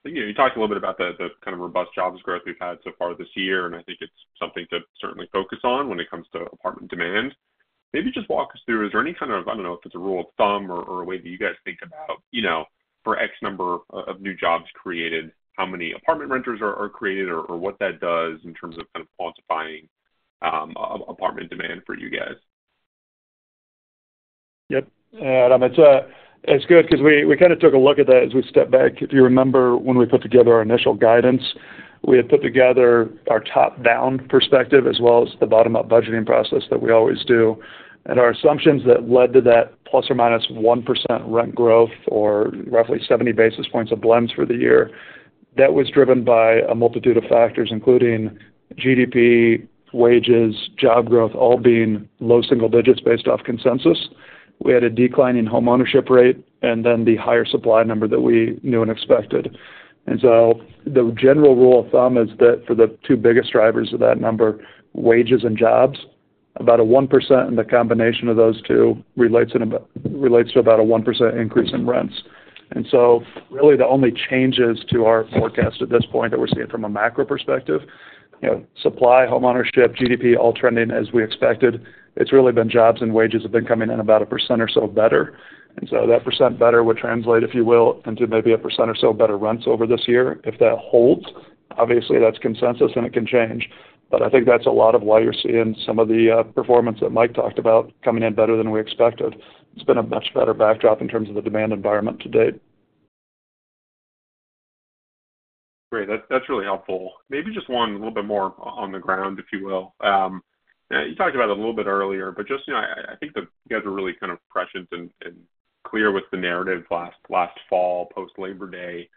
S15: You know, you talked a little bit about the kind of robust jobs growth we've had so far this year, and I think it's something to certainly focus on when it comes to apartment demand. Maybe just walk us through, is there any kind of, I don't know if it's a rule of thumb or a way that you guys think about, you know, for X number of new jobs created, how many apartment renters are created or what that does in terms of kind of quantifying apartment demand for you guys?
S5: Yep. Adam, it's good because we kind of took a look at that as we stepped back. If you remember, when we put together our initial guidance, we had put together our top-down perspective, as well as the bottom-up budgeting process that we always do. And our assumptions that led to that ±1% rent growth or roughly 70 basis points of blends for the year, that was driven by a multitude of factors, including GDP, wages, job growth, all being low single digits based off consensus. We had a decline in homeownership rate and then the higher supply number that we knew and expected. So the general rule of thumb is that for the two biggest drivers of that number, wages and jobs, about a 1% in the combination of those two relates to about a 1% increase in rents. So really, the only changes to our forecast at this point that we're seeing from a macro perspective, you know, supply, homeownership, GDP, all trending as we expected. It's really been jobs and wages have been coming in about 1% or so better, and so that 1% better would translate, if you will, into maybe 1% or so better rents over this year. If that holds, obviously, that's consensus, and it can change. But I think that's a lot of why you're seeing some of the performance that Mike talked about coming in better than we expected. It's been a much better backdrop in terms of the demand environment to date.
S15: Great. That's, that's really helpful. Maybe just one, a little bit more on the ground, if you will. You talked about it a little bit earlier, but just, you know, I, I think that you guys are really kind of prescient and, and clear with the narrative last, last fall, post-Labor Day,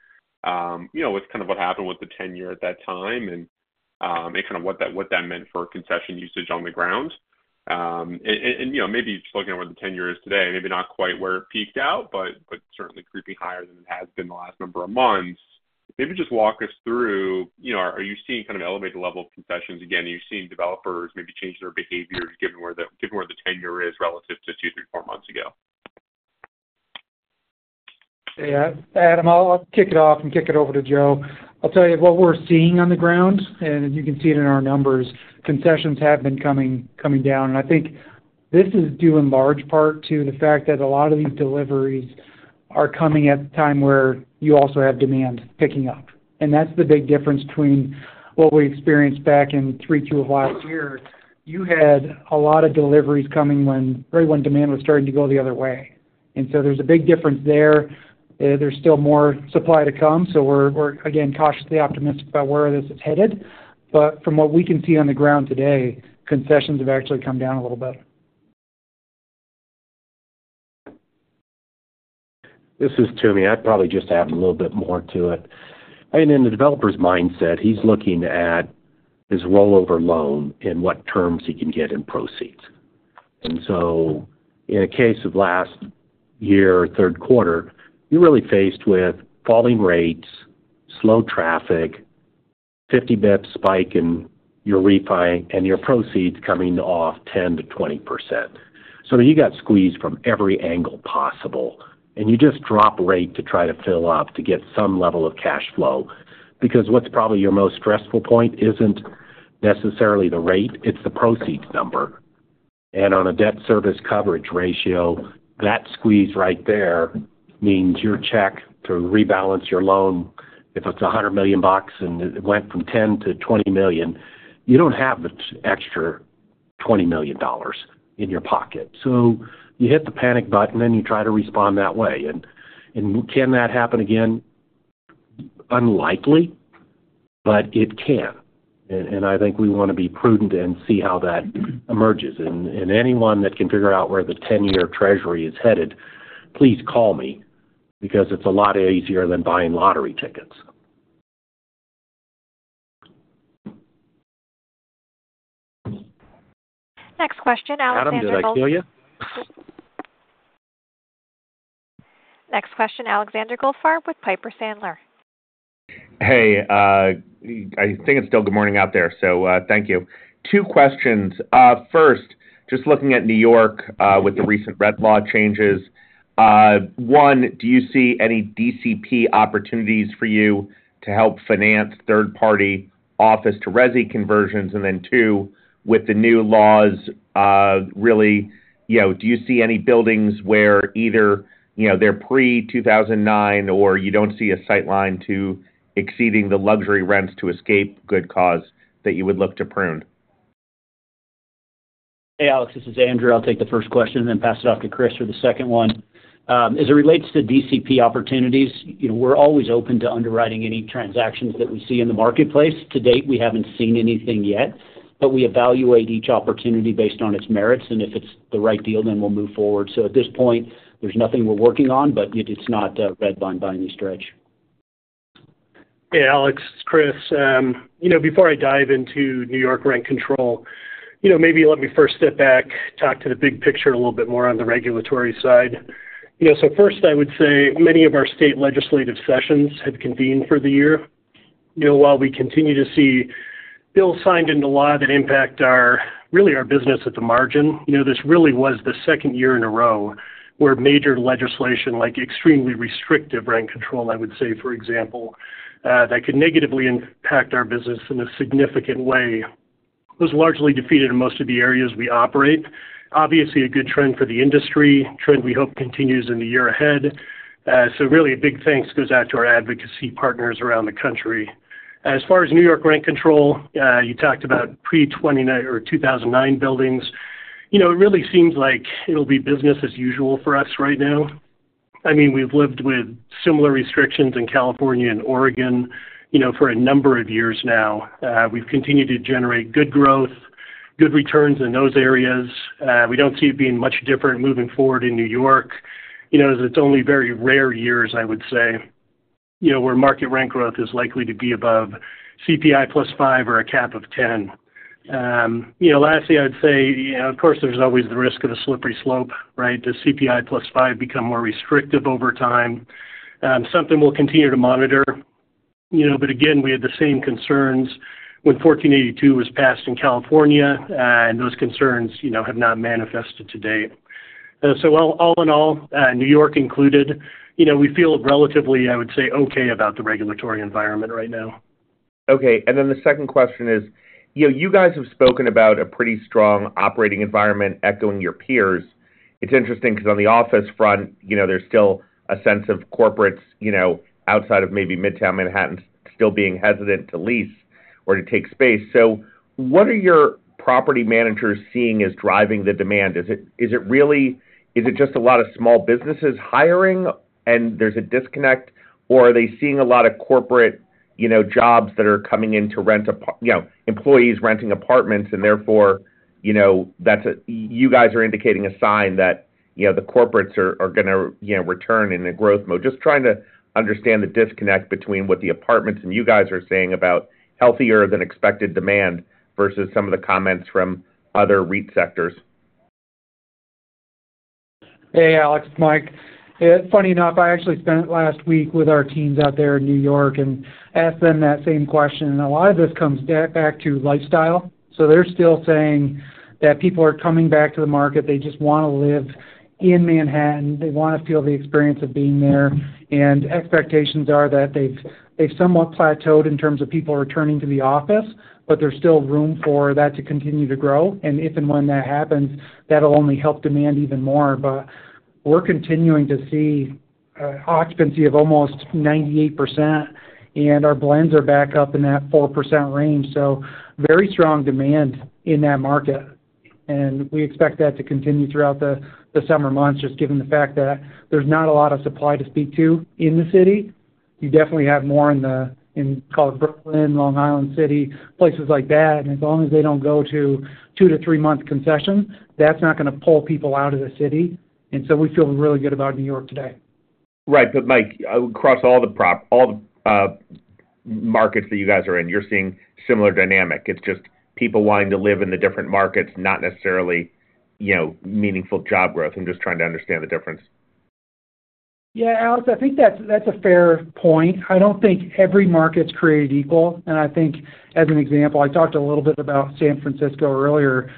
S15: you know, with kind of what happened with the 10-year at that time and, and kind of what that, what that meant for concession usage on the ground. And, and, you know, maybe just looking at where the 10-year is today, maybe not quite where it peaked out, but, but certainly creeping higher than it has been the last number of months. Maybe just walk us through, you know, are you seeing kind of elevated level of concessions again? Are you seeing developers maybe change their behavior, given where the 10-year is relative to two, three, four months ago?
S4: Yeah. Adam, I'll kick it off and kick it over to Joe. I'll tell you what we're seeing on the ground, and you can see it in our numbers. Concessions have been coming, coming down, and I think this is due in large part to the fact that a lot of these deliveries are coming at the time where you also have demand picking up. And that's the big difference between what we experienced back in 3Q of last year. You had a lot of deliveries coming when, right when demand was starting to go the other way. And so there's a big difference there. There's still more supply to come, so we're again, cautiously optimistic about where this is headed. But from what we can see on the ground today, concessions have actually come down a little bit.
S3: This is Toomey. I'd probably just add a little bit more to it. I mean, in the developer's mindset, he's looking at his rollover loan and what terms he can get in proceeds. And so in a case of last year, third quarter, you're really faced with falling rates, slow traffic, 50 bps spike in your refi, and your proceeds coming off 10%-20%. So you got squeezed from every angle possible, and you just drop rate to try to fill up, to get some level of cash flow. Because what's probably your most stressful point isn't necessarily the rate, it's the proceeds number. And on a debt service coverage ratio, that squeeze right there means your check to rebalance your loan, if it's $100 million bucks and it went from $10 million-$20 million, you don't have the extra $20 million in your pocket. So you hit the panic button, and you try to respond that way. And can that happen again? Unlikely, but it can. And I think we want to be prudent and see how that emerges. And anyone that can figure out where the 10-year Treasury is headed, please call me, because it's a lot easier than buying lottery tickets.
S1: Next question, Alexander-
S3: Adam, did I kill you?
S1: Next question, Alexander Goldfarb with Piper Sandler.
S16: Hey, I think it's still good morning out there, so, thank you. Two questions. First, just looking at New York, with the recent rent law changes, one, do you see any DCP opportunities for you to help finance third-party office-to-resi conversions? And then two, with the new laws, really, you know, do you see any buildings where either, you know, they're pre-2009, or you don't see a sight line to exceeding the luxury rents to escape good cause that you would look to prune?
S17: Hey, Alex, this is Andrew. I'll take the first question and then pass it off to Chris for the second one. As it relates to DCP opportunities, you know, we're always open to underwriting any transactions that we see in the marketplace. To date, we haven't seen anything yet, but we evaluate each opportunity based on its merits, and if it's the right deal, then we'll move forward. So at this point, there's nothing we're working on, but it is not redlined by any stretch.
S18: Hey, Alex, it's Chris. You know, before I dive into New York rent control, you know, maybe let me first step back, talk to the big picture a little bit more on the regulatory side. You know, so first, I would say many of our state legislative sessions have convened for the year. You know, while we continue to see bills signed into law that impact our, really, our business at the margin, you know, this really was the second year in a row where major legislation, like extremely restrictive rent control, I would say, for example, that could negatively impact our business in a significant way, was largely defeated in most of the areas we operate. Obviously, a good trend for the industry, trend we hope continues in the year ahead. So really, a big thanks goes out to our advocacy partners around the country. As far as New York rent control, you talked about pre-29 or 2009 buildings. You know, it really seems like it'll be business as usual for us right now. I mean, we've lived with similar restrictions in California and Oregon, you know, for a number of years now. We've continued to generate good growth, good returns in those areas. We don't see it being much different moving forward in New York. You know, it's only very rare years, I would say, you know, where market rent growth is likely to be above CPI +5 or a cap of 10. You know, lastly, I'd say, you know, of course, there's always the risk of a slippery slope, right? Does CPI +5 become more restrictive over time? Something we'll continue to monitor, you know. But again, we had the same concerns when AB 1482 was passed in California, and those concerns, you know, have not manifested to date. So all in all, New York included, you know, we feel relatively, I would say, okay about the regulatory environment right now.
S16: Okay, and then the second question is: You know, you guys have spoken about a pretty strong operating environment echoing your peers. It's interesting because on the office front, you know, there's still a sense of corporates, you know, outside of maybe Midtown Manhattan, still being hesitant to lease or to take space. So what are your property managers seeing as driving the demand? Is it, is it really, is it just a lot of small businesses hiring and there's a disconnect, or are they seeing a lot of corporate, you know, jobs that are coming in to rent apart, you know, employees renting apartments, and therefore, you know, that's a, you guys are indicating a sign that, you know, the corporates are, are gonna, you know, return in a growth mode. Just trying to understand the disconnect between what the apartments and you guys are saying about healthier than expected demand versus some of the comments from other REIT sectors.
S4: Hey, Alex, it's Mike. Funny enough, I actually spent last week with our teams out there in New York and asked them that same question, and a lot of this comes back to lifestyle. So they're still saying that people are coming back to the market. They just want to live in Manhattan. They want to feel the experience of being there. And expectations are that they've somewhat plateaued in terms of people returning to the office, but there's still room for that to continue to grow. And if and when that happens, that'll only help demand even more. But we're continuing to see occupancy of almost 98%, and our blends are back up in that 4% range, so very strong demand in that market. And we expect that to continue throughout the summer months, just given the fact that there's not a lot of supply to speak to in the city. You definitely have more in kind of Brooklyn, Long Island City, places like that. And as long as they don't go to two to three-month concession, that's not gonna pull people out of the city. And so we feel really good about New York today.
S16: Right. But Mike, across all the markets that you guys are in, you're seeing similar dynamic. It's just people wanting to live in the different markets, not necessarily, you know, meaningful job growth. I'm just trying to understand the difference.
S4: Yeah, Alex, I think that's, that's a fair point. I don't think every market's created equal, and I think as an example, I talked a little bit about San Francisco earlier.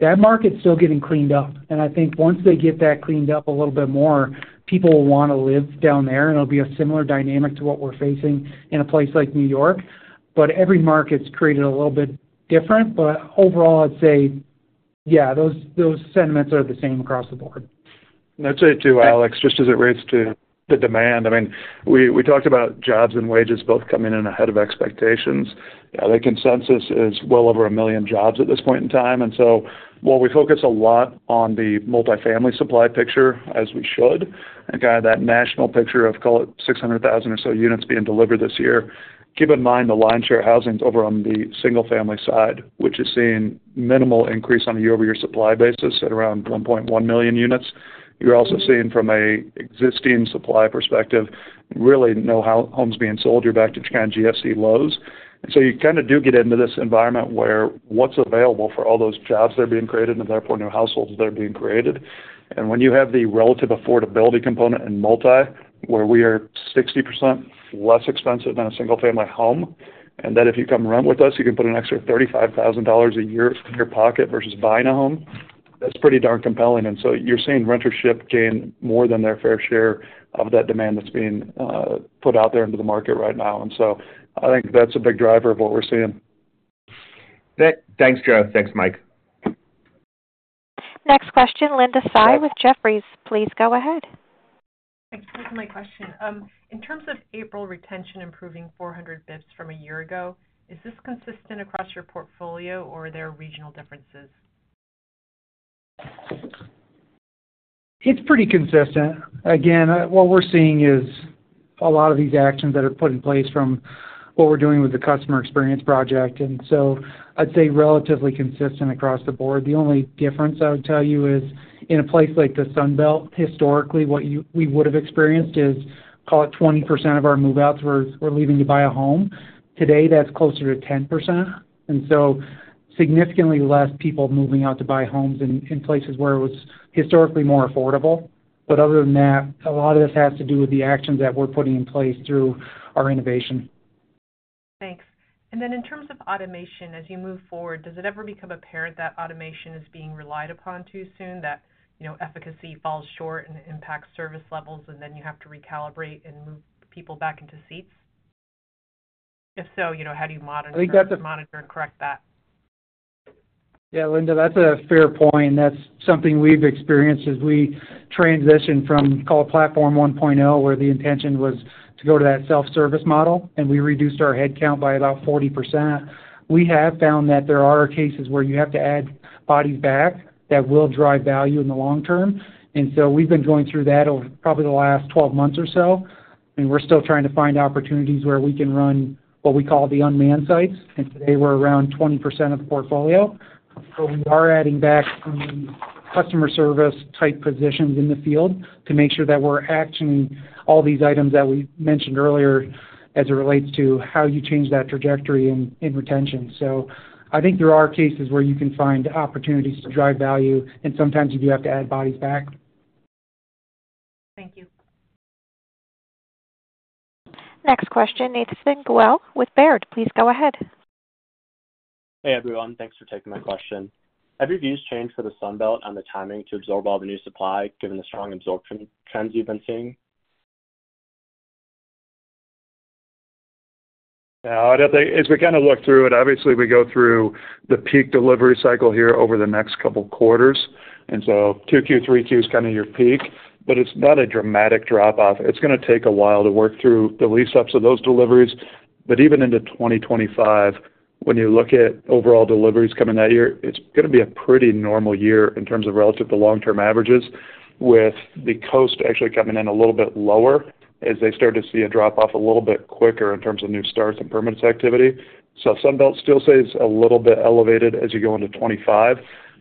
S4: That market's still getting cleaned up, and I think once they get that cleaned up a little bit more, people will want to live down there, and it'll be a similar dynamic to what we're facing in a place like New York. But every market's created a little bit different. But overall, I'd say, yeah, those, those sentiments are the same across the board.
S5: And I'd say, too, Alex, just as it relates to the demand, I mean, we talked about jobs and wages both coming in ahead of expectations. The consensus is well over a million jobs at this point in time. And so while we focus a lot on the multifamily supply picture, as we should, and kind of that national picture of, call it, 600,000 or so units being delivered this year, keep in mind, the lion's share of housing is over on the single-family side, which is seeing minimal increase on a year-over-year supply basis at around 1.1 million units. You're also seeing from an existing supply perspective, really no homes being sold. You're back to kind of GFC lows. You kind of do get into this environment where what's available for all those jobs that are being created, and therefore new households that are being created. When you have the relative affordability component in multi, where we are 60% less expensive than a single-family home, and that if you come rent with us, you can put an extra $35,000 a year in your pocket versus buying a home, that's pretty darn compelling. So you're seeing rentership gain more than their fair share of that demand that's being put out there into the market right now. I think that's a big driver of what we're seeing.
S16: Thanks, Joe. Thanks, Mike.
S1: Next question, Linda Tsai with Jefferies. Please go ahead.
S19: Thanks for taking my question. In terms of April retention improving 400 basis points from a year ago, is this consistent across your portfolio, or are there regional differences?
S4: It's pretty consistent. Again, what we're seeing is a lot of these actions that are put in place from what we're doing with the customer experience project, and so I'd say relatively consistent across the board. The only difference I would tell you is in a place like the Sun Belt, historically, what we would have experienced is, call it 20% of our move-outs were leaving to buy a home. Today, that's closer to 10%, and so significantly less people moving out to buy homes in places where it was historically more affordable. But other than that, a lot of this has to do with the actions that we're putting in place through our innovation.
S19: Thanks. Then in terms of automation, as you move forward, does it ever become apparent that automation is being relied upon too soon, that, you know, efficacy falls short and it impacts service levels, and then you have to recalibrate and move people back into seats? If so, you know, how do you monitor-
S4: I think that's-
S19: monitor and correct that?
S4: Yeah, Linda, that's a fair point, and that's something we've experienced as we transition from, call it Platform 1.0, where the intention was to go to that self-service model, and we reduced our headcount by about 40%. We have found that there are cases where you have to add bodies back that will drive value in the long term, and so we've been going through that over probably the last 12 months or so, and we're still trying to find opportunities where we can run what we call the unmanned sites, and today, we're around 20% of the portfolio. So we are adding back some customer service-type positions in the field to make sure that we're actioning all these items that we mentioned earlier as it relates to how you change that trajectory in, in retention. I think there are cases where you can find opportunities to drive value, and sometimes you do have to add bodies back.
S19: Thank you.
S1: Next question, with Baird. Please go ahead.
S20: Hey, everyone. Thanks for taking my question. Have your views changed for the Sun Belt on the timing to absorb all the new supply, given the strong absorption trends you've been seeing? No, I don't think... As we kind of look through it, obviously, we go through the peak delivery cycle here over the next couple quarters, and so Q2, Q3 is kind of your peak, but it's not a dramatic drop-off. It's gonna take a while to work through the lease-ups of those deliveries. But even into 2025, when you look at overall deliveries coming that year, it's gonna be a pretty normal year in terms of relative to long-term averages, with the coasts actually coming in a little bit lower as they start to see a drop-off a little bit quicker in terms of new starts and permitting activity.
S5: So Sun Belt still stays a little bit elevated as you go into 2025.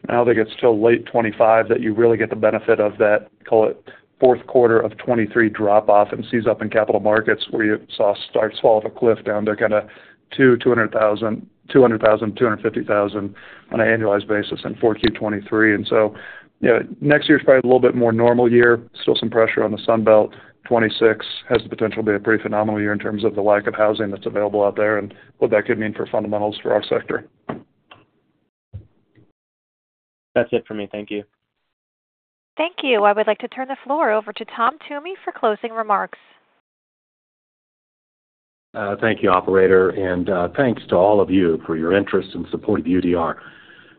S5: I don't think it's till late 2025 that you really get the benefit of that, call it, fourth quarter of 2023 drop-off and sees up in capital markets, where you saw starts fall off a cliff down to kind of 200,000-250,000 on an annualized basis in 4Q 2023. And so, yeah, next year's probably a little bit more normal year. Still some pressure on the Sun Belt. 2026 has the potential to be a pretty phenomenal year in terms of the lack of housing that's available out there and what that could mean for fundamentals for our sector.
S20: That's it for me. Thank you.
S1: Thank you. I would like to turn the floor over to Tom Toomey for closing remarks.
S3: Thank you, operator, and thanks to all of you for your interest and support of UDR.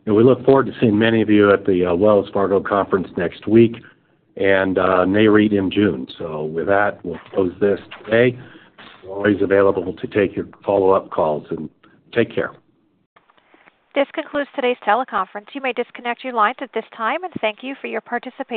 S3: We look forward to seeing many of you at the Wells Fargo conference next week, and NAREIT in June. With that, we'll close this today. We're always available to take your follow-up calls and take care.
S1: This concludes today's teleconference. You may disconnect your lines at this time, and thank you for your participation.